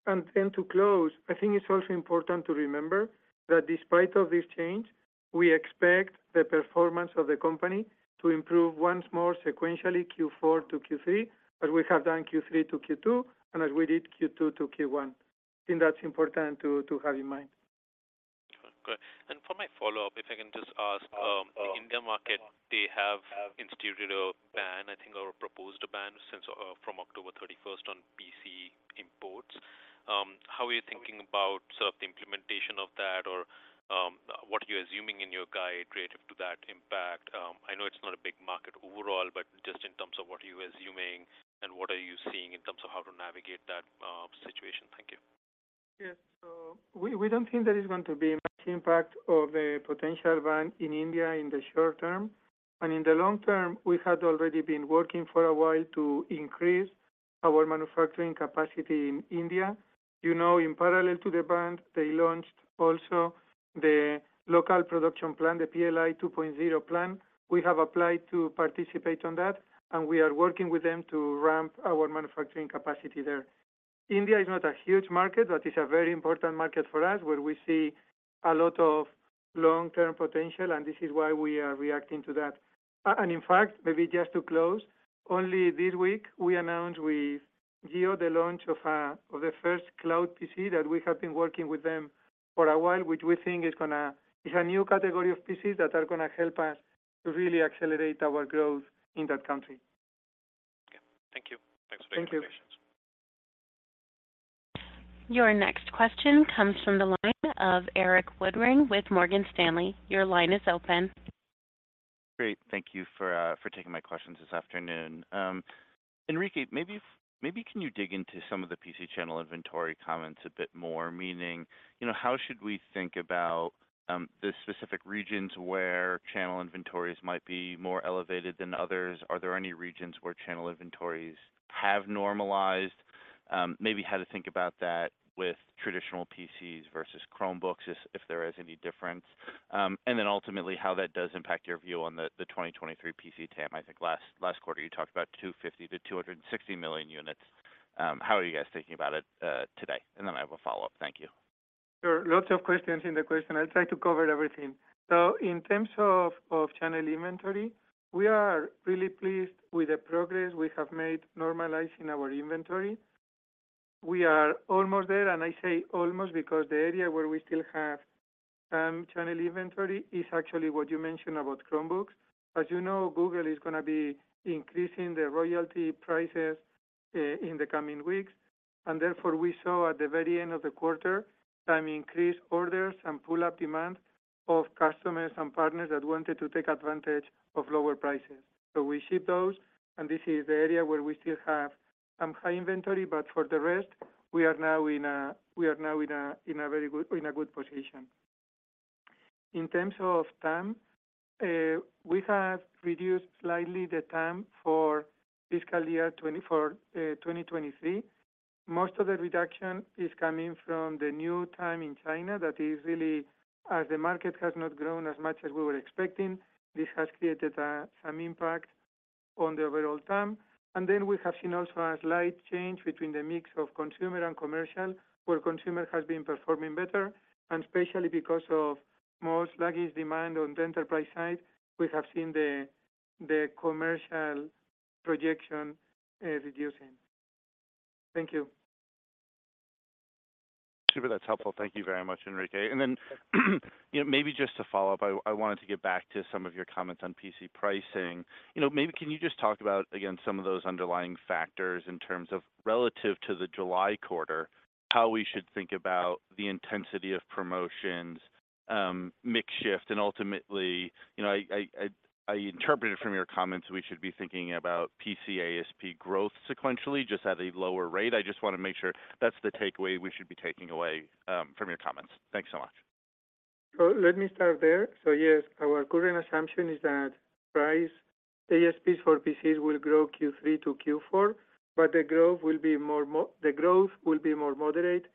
And then to close, I think it's also important to remember that despite of this change, we expect the performance of the company to improve once more sequentially, Q4 to Q3, as we have done Q3 to Q2, and as we did Q2 to Q1. I think that's important to have in mind. Okay. And for my follow-up, if I can just ask, the India market, they have instituted a ban, I think, or proposed a ban since, from October 31st on PC imports. How are you thinking about sort of the implementation of that, or, what are you assuming in your guide relative to that impact? I know it's not a big market overall, but just in terms of what are you assuming and what are you seeing in terms of how to navigate that situation? Thank you. Yes. So we don't think there is going to be much impact of the potential ban in India in the short term. And in the long term, we had already been working for a while to increase our manufacturing capacity in India. You know, in parallel to the ban, they launched also the local production plan, the PLI 2.0 plan. We have applied to participate on that, and we are working with them to ramp our manufacturing capacity there. India is not a huge market, but it's a very important market for us, where we see a lot of long-term potential, and this is why we are reacting to that. And in fact, maybe just to close, only this week, we announced with Jio the launch of the first cloud PC that we have been working with them for a while, which we think is going to, It's a new category of PCs that are going to help us to really accelerate our growth in that country. Okay. Thank you. Thank you. Thanks for the presentations. Your next question comes from the line of Erik Woodring with Morgan Stanley. Your line is open. Great. Thank you for taking my questions this afternoon. Enrique, maybe can you dig into some of the PC channel inventory comments a bit more? Meaning, you know, how should we think about the specific regions where channel inventories might be more elevated than others? Are there any regions where channel inventories have normalized? Maybe how to think about that with traditional PCs versus Chromebooks, if there is any difference. And then ultimately, how that does impact your view on the 2023 PC TAM. I think last quarter you talked about 250to 260 million units. How are you guys thinking about it today? Then I have a follow-up. Thank you. Sure. Lots of questions in the question. I'll try to cover everything. So in terms of channel inventory, we are really pleased with the progress we have made normalizing our inventory. We are almost there, and I say almost because the area where we still have channel inventory is actually what you mentioned about Chromebooks. As you know, Google is going to be increasing the royalty prices in the coming weeks, and therefore, we saw at the very end of the quarter, some increased orders and pull-up demand of customers and partners that wanted to take advantage of lower prices. So we ship those, and this is the area where we still have some high inventory, but for the rest, we are now in a very good, in a good position. In terms of TAM, we have reduced slightly the TAM for fiscal year 2023. Most of the reduction is coming from the new TAM in China. That is really as the market has not grown as much as we were expecting, this has created some impact on the overall TAM. And then we have seen also a slight change between the mix of consumer and commercial, where consumer has been performing better. And especially because of more sluggish demand on the enterprise side, we have seen the commercial projection reducing. Thank you. Super. That's helpful. Thank you very much, Enrique. And then, you know, maybe just to follow up, I wanted to get back to some of your comments on PC pricing. You know, maybe can you just talk about, again, some of those underlying factors in terms of relative to the July quarter, how we should think about the intensity of promotions, mix shift, and ultimately, you know, I interpreted from your comments, we should be thinking about PC ASP growth sequentially, just at a lower rate. I just want to make sure that's the takeaway we should be taking away, from your comments? Thanks so much. So let me start there. So yes, our current assumption is that price ASPs for PCs will grow Q3 to Q4, but the growth will be more moderate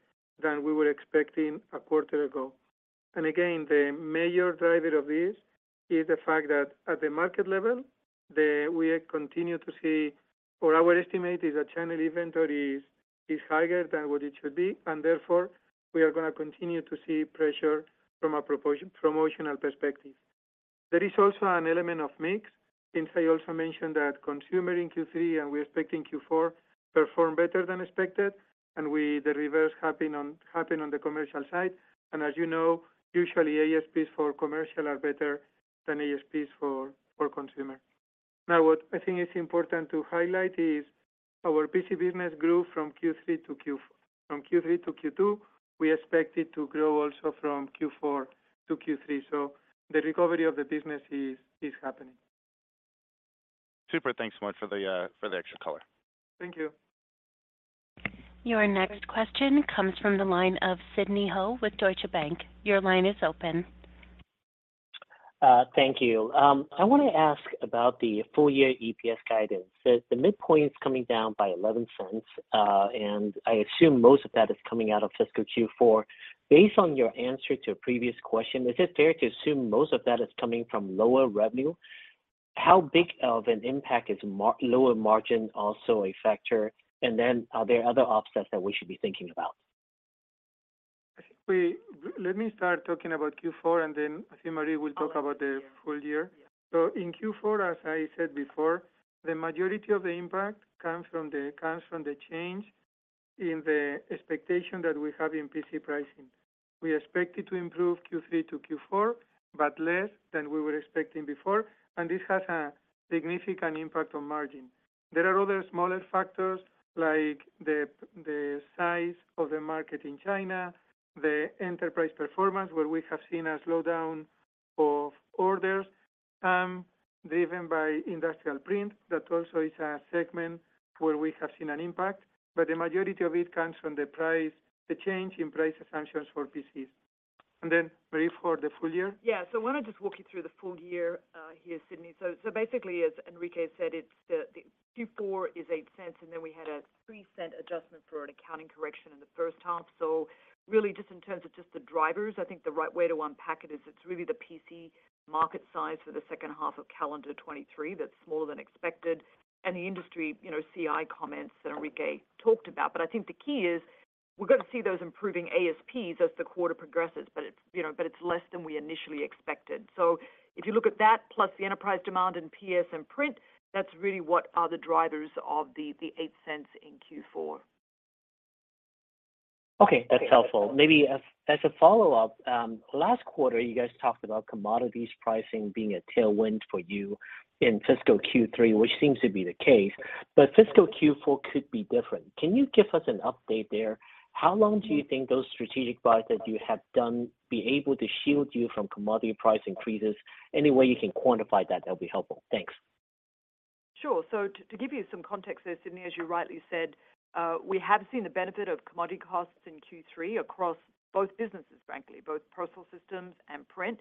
than we were expecting a quarter ago. And again, the major driver of this is the fact that at the market level, we continue to see, or our estimate is that channel inventory is higher than what it should be, and therefore, we are going to continue to see pressure from a promotional perspective. There is also an element of mix, since I also mentioned that consumer in Q3, and we're expecting Q4, perform better than expected, and the reverse happen on the commercial side. And as you know, usually ASPs for commercial are better than ASPs for consumer. Now, what I think is important to highlight is our PC business grew from Q3 to Q4. From Q3 to Q2, we expect it to grow also from Q4 to Q3. So the recovery of the business is happening. Super. Thanks so much for the extra color. Thank you. Your next question comes from the line of Sidney Ho with Deutsche Bank. Your line is open. Thank you. I want to ask about the full year EPS guidance. The midpoint is coming down by $0.11, and I assume most of that is coming out of fiscal Q4. Based on your answer to a previous question, is it fair to assume most of that is coming from lower revenue? How big of an impact is lower margin also a factor? And then are there other offsets that we should be thinking about? Let me start talking about Q4, and then I think Marie will talk about the full year. Yeah. So in Q4, as I said before, the majority of the impact comes from the change in the expectation that we have in PC pricing. We expect it to improve Q3 to Q4, but less than we were expecting before, and this has a significant impact on margin. There are other smaller factors, like the size of the market in China, the enterprise performance, where we have seen a slowdown of orders, driven by Industrial Print. That also is a segment where we have seen an impact, but the majority of it comes from the price, the change in price assumptions for PCs. And then Marie, for the full year? Yeah. So I want to just walk you through the full year here, Sidney. So basically, as Enrique said, it's the Q4 is $0.08, and then we had a $0.03 adjustment for an accounting correction in the first half. So really, just in terms of the drivers, I think the right way to unpack it is it's really the PC market size for the second half of calendar 2023 that's smaller than expected. And the industry, you know, CI comments that Enrique talked about. But I think the key is we're going to see those improving ASPs as the quarter progresses, but it's, you know, less than we initially expected. So if you look at that, plus the enterprise demand in PS and Print, that's really what are the drivers of the $0.08 in Q4. Okay, that's helpful. Maybe as a follow-up, last quarter, you guys talked about commodities pricing being a tailwind for you in fiscal Q3, which seems to be the case, but fiscal Q4 could be different. Can you give us an update there? How long do you think those strategic buys that you have done be able to shield you from commodity price increases? Any way you can quantify that, that'll be helpful. Thanks. Sure. So to give you some context there, Sidney, as you rightly said, we have seen the benefit of commodity costs in Q3 across both businesses, frankly, both Personal Systems and Print.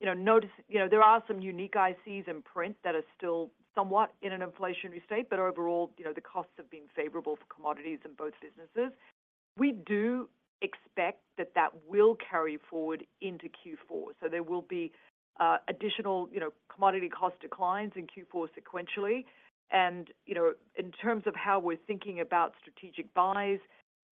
You know, there are some unique ICs in Print that are still somewhat in an inflationary state, but overall, you know, the costs have been favorable for commodities in both businesses. We do expect that will carry forward into Q4. So there will be additional, you know, commodity cost declines in Q4 sequentially. You know, in terms of how we're thinking about strategic buys.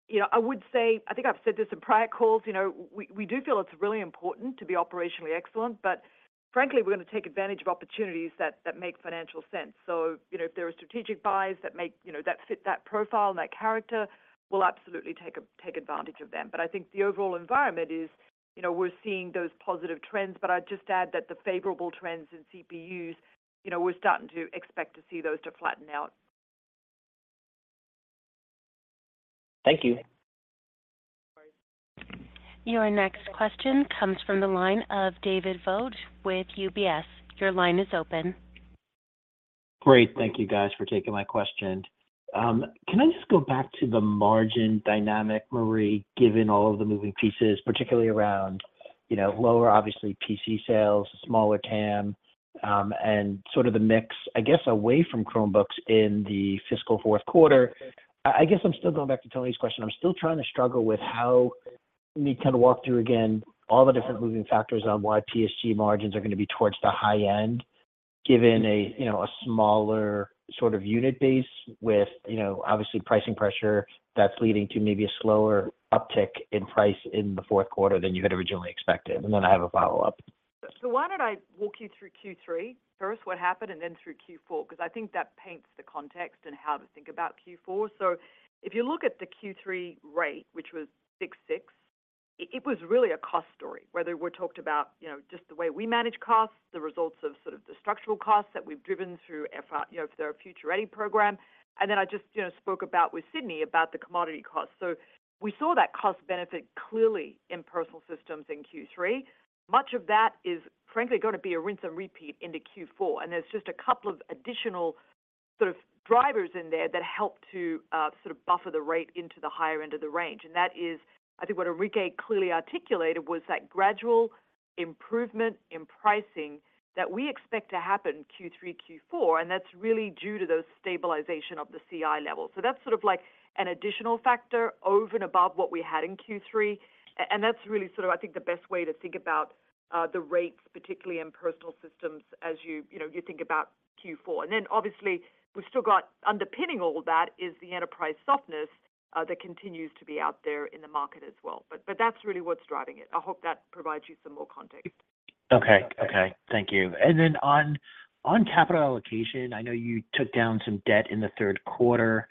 You know, I would say, I think I've said this in prior calls, you know, we do feel it's really important to be operationally excellent, but frankly, we're going to take advantage of opportunities that make financial sense. So, you know, if there are strategic buys that make, you know, that fit that profile and that character, we'll absolutely take advantage of them. But I think the overall environment is, you know, we're seeing those positive trends, but I'd just add that the favorable trends in CPUs, you know, we're starting to expect to see those to flatten out. Thank you. Your next question comes from the line of David Vogt with UBS. Your line is open. Great. Thank you guys for taking my question. Can I just go back to the margin dynamic, Marie, given all of the moving pieces, particularly around, you know, lower, obviously, PC sales, smaller TAM, and sort of the mix, I guess, away from Chromebooks in the fiscal fourth quarter? I guess I'm still going back to Tony's question. I'm still trying to struggle with how. Let me kind of walk through again, all the different moving factors on why PSG margins are going to be towards the high end, given a, you know, a smaller sort of unit base with, you know, obviously pricing pressure that's leading to maybe a slower uptick in price in the fourth quarter than you had originally expected. And then I have a follow-up. So why don't I walk you through Q3? First, what happened, and then through Q4, 'cause I think that paints the context and how to think about Q4. So if you look at the Q3 rate, which was 66, it was really a cost story, whether we talked about, you know, just the way we manage costs, the results of sort of the structural costs that we've driven through FR, you know, through our Future Ready program, and then I just, you know, spoke about with Sidney, about the commodity costs. So we saw that cost benefit clearly in personal systems in Q3. Much of that is, frankly, going to be a rinse and repeat into Q4, and there's just a couple of additional sort of drivers in there that help to sort of buffer the rate into the higher end of the range. That is, I think what Enrique clearly articulated was that gradual improvement in pricing that we expect to happen Q3, Q4, and that's really due to the stabilization of the CI level. So that's sort of like an additional factor over and above what we had in Q3, and that's really sort of, I think, the best way to think about, the rates, particularly in personal systems, as you, you know, you think about Q4. Then obviously, we've still got underpinning all of that is the enterprise softness, that continues to be out there in the market as well, but, but that's really what's driving it. I hope that provides you some more context. Okay. Okay, thank you. And then on capital allocation, I know you took down some debt in the third quarter, and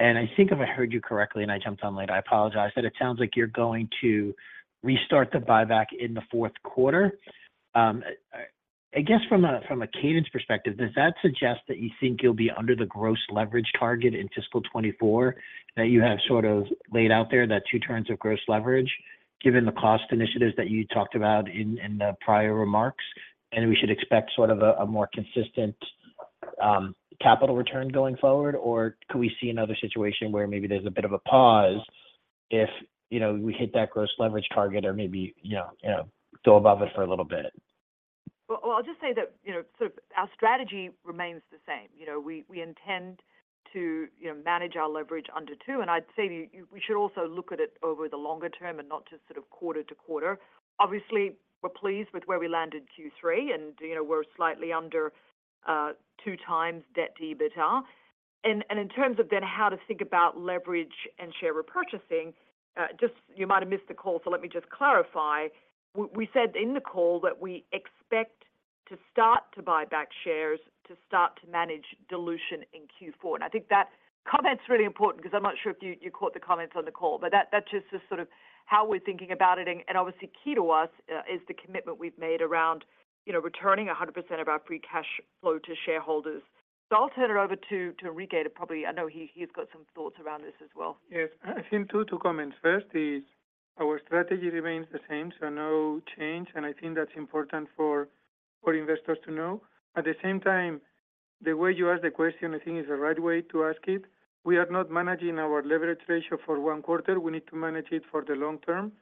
I think if I heard you correctly, and I jumped on late, I apologize, but it sounds like you're going to restart the buyback in the fourth quarter. I guess from a cadence perspective, does that suggest that you think you'll be under the gross leverage target in fiscal 2024, that you have sort of laid out there, that two turns of gross leverage, given the cost initiatives that you talked about in the prior remarks? We should expect sort of a more consistent capital return going forward, or could we see another situation where maybe there's a bit of a pause if, you know, we hit that gross leverage target or maybe, you know, you know, go above it for a little bit? Well, well, I'll just say that, you know, sort of our strategy remains the same. You know, we intend to, you know, manage our leverage under two, and I'd say we should also look at it over the longer term and not just sort of quarter to quarter. Obviously, we're pleased with where we landed Q3, and, you know, we're slightly under two times debt to EBITDA. And in terms of then how to think about leverage and share repurchasing, just you might have missed the call, so let me just clarify. We said in the call that we expect to start to buy back shares to start to manage dilution in Q4. I think that comment's really important because I'm not sure if you caught the comments on the call, but that's just the sort of how we're thinking about it. And obviously, key to us is the commitment we've made around, you know, returning 100% of our free cash flow to shareholders. So I'll turn it over to Enrique to probably... I know he's got some thoughts around this as well. Yes. I think two, two comments. First is our strategy remains the same, so no change, and I think that's important for, for investors to know. At the same time, the way you ask the question, I think, is the right way to ask it. We are not managing our leverage ratio for one quarter. We need to manage it for the long term,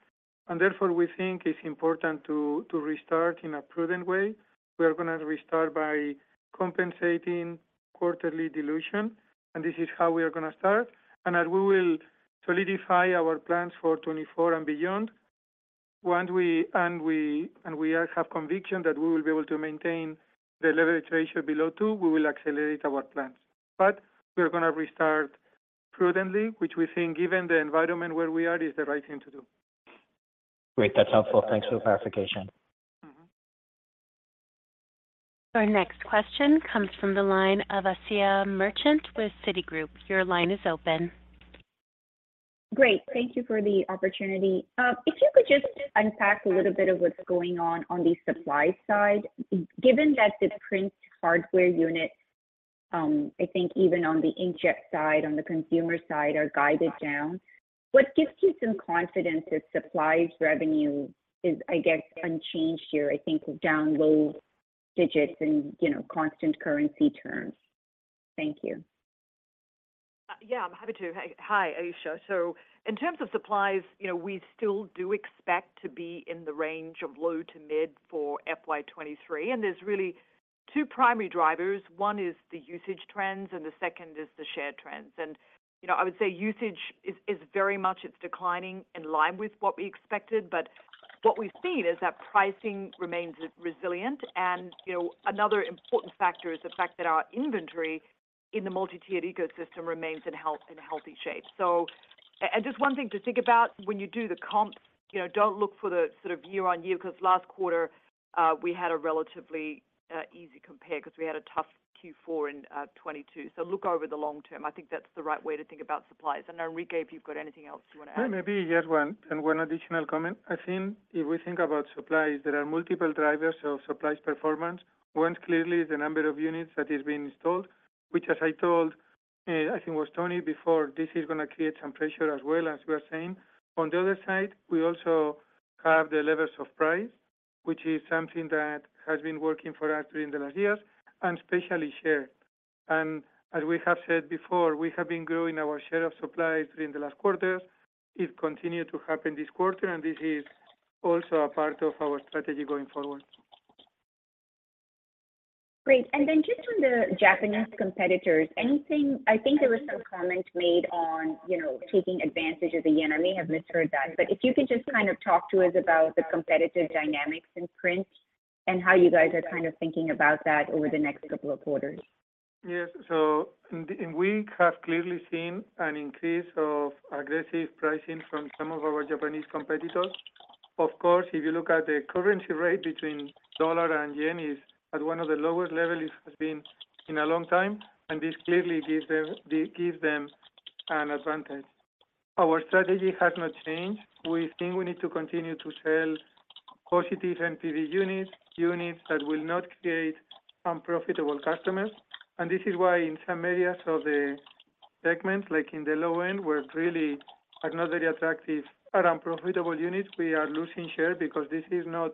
and therefore, we think it's important to, to restart in a prudent way. We are going to restart by compensating quarterly dilution, and this is how we are going to start. And as we will solidify our plans for 2024 and beyond, when we, have conviction that we will be able to maintain the leverage ratio below two, we will accelerate our plans. We are going to restart prudently, which we think, given the environment where we are, is the right thing to do. Great, that's helpful. Thanks for the clarification. Mm-hmm. Our next question comes from the line of Asiya Merchant with Citigroup. Your line is open. Great. Thank you for the opportunity. If you could just unpack a little bit of what's going on on the supply side, given that the print hardware units, I think even on the inkjet side, on the consumer side, are guided down, what gives you some confidence that supplies revenue is, I guess, unchanged here, I think down low digits in, you know, constant currency terms? Thank you. Yeah, I'm happy to. Hi, Asiya. So in terms of supplies, you know, we still do expect to be in the range of low to mid for FY 2023, and there's really two primary drivers. One is the usage trends, and the second is the shared trends. And you know, I would say usage is very much declining in line with what we expected, but what we've seen is that pricing remains resilient. And, you know, another important factor is the fact that our inventory in the multi-tiered ecosystem remains in healthy shape. So just one thing to think about when you do the comps, you know, don't look for the sort of year-on-year, because last quarter we had a relatively easy compare because we had a tough Q4 in 2022. So look over the long term. I think that's the right way to think about supplies. Enrique, if you've got anything else you want to add. Maybe just one, and one additional comment. I think if we think about supplies, there are multiple drivers of supplies performance. One, clearly, the number of units that is being installed, which as I told, I think it was Tony before, this is going to create some pressure as well, as we are saying. On the other side, we also have the levels of price, which is something that has been working for us during the last years, and especially share. And as we have said before, we have been growing our share of supplies during the last quarters. It continued to happen this quarter, and this is also a part of our strategy going forward. Great. And then just on the Japanese competitors, anything, I think there was some comment made on, you know, taking advantage of the yen. I may have misheard that, but if you could just kind of talk to us about the competitive dynamics in print and how you guys are kind of thinking about that over the next couple of quarters? Yes. We have clearly seen an increase of aggressive pricing from some of our Japanese competitors. Of course, if you look at the currency rate between dollar and yen, is at one of the lowest levels it has been in a long time, and this clearly gives them, gives them an advantage. Our strategy has not changed. We think we need to continue to sell positive NPV units, units that will not create unprofitable customers. And this is why in some areas of the segment, like in the low end, where really are not very attractive are unprofitable units, we are losing share because this is not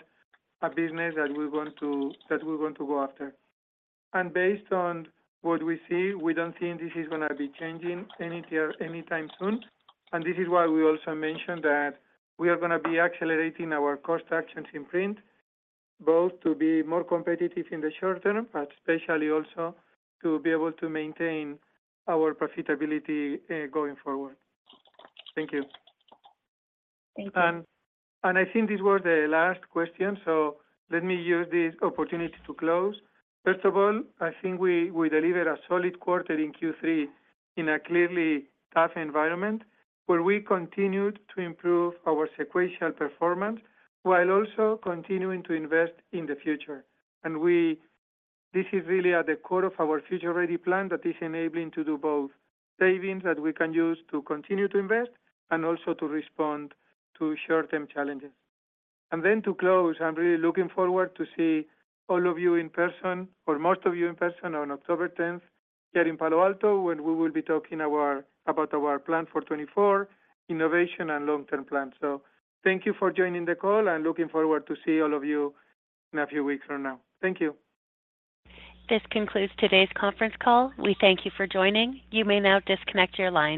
a business that we're going to, that we're going to go after. And based on what we see, we don't think this is going to be changing anytime, anytime soon. This is why we also mentioned that we are going to be accelerating our cost actions in print, both to be more competitive in the short term, but especially also to be able to maintain our profitability, going forward. Thank you. Thank you. I think these were the last question, so let me use this opportunity to close. First of all, I think we delivered a solid quarter in Q3 in a clearly tough environment, where we continued to improve our sequential performance while also continuing to invest in the future. And we—this is really at the core of our Future Ready plan that is enabling to do both savings that we can use to continue to invest, and also to respond to short-term challenges. Then to close, I'm really looking forward to see all of you in person, or most of you in person, on October 10th, here in Palo Alto, when we will be talking about our plan for 2024, innovation and long-term plan. Thank you for joining the call, and looking forward to see all of you in a few weeks from now. Thank you. This concludes today's conference call. We thank you for joining. You may now disconnect your lines.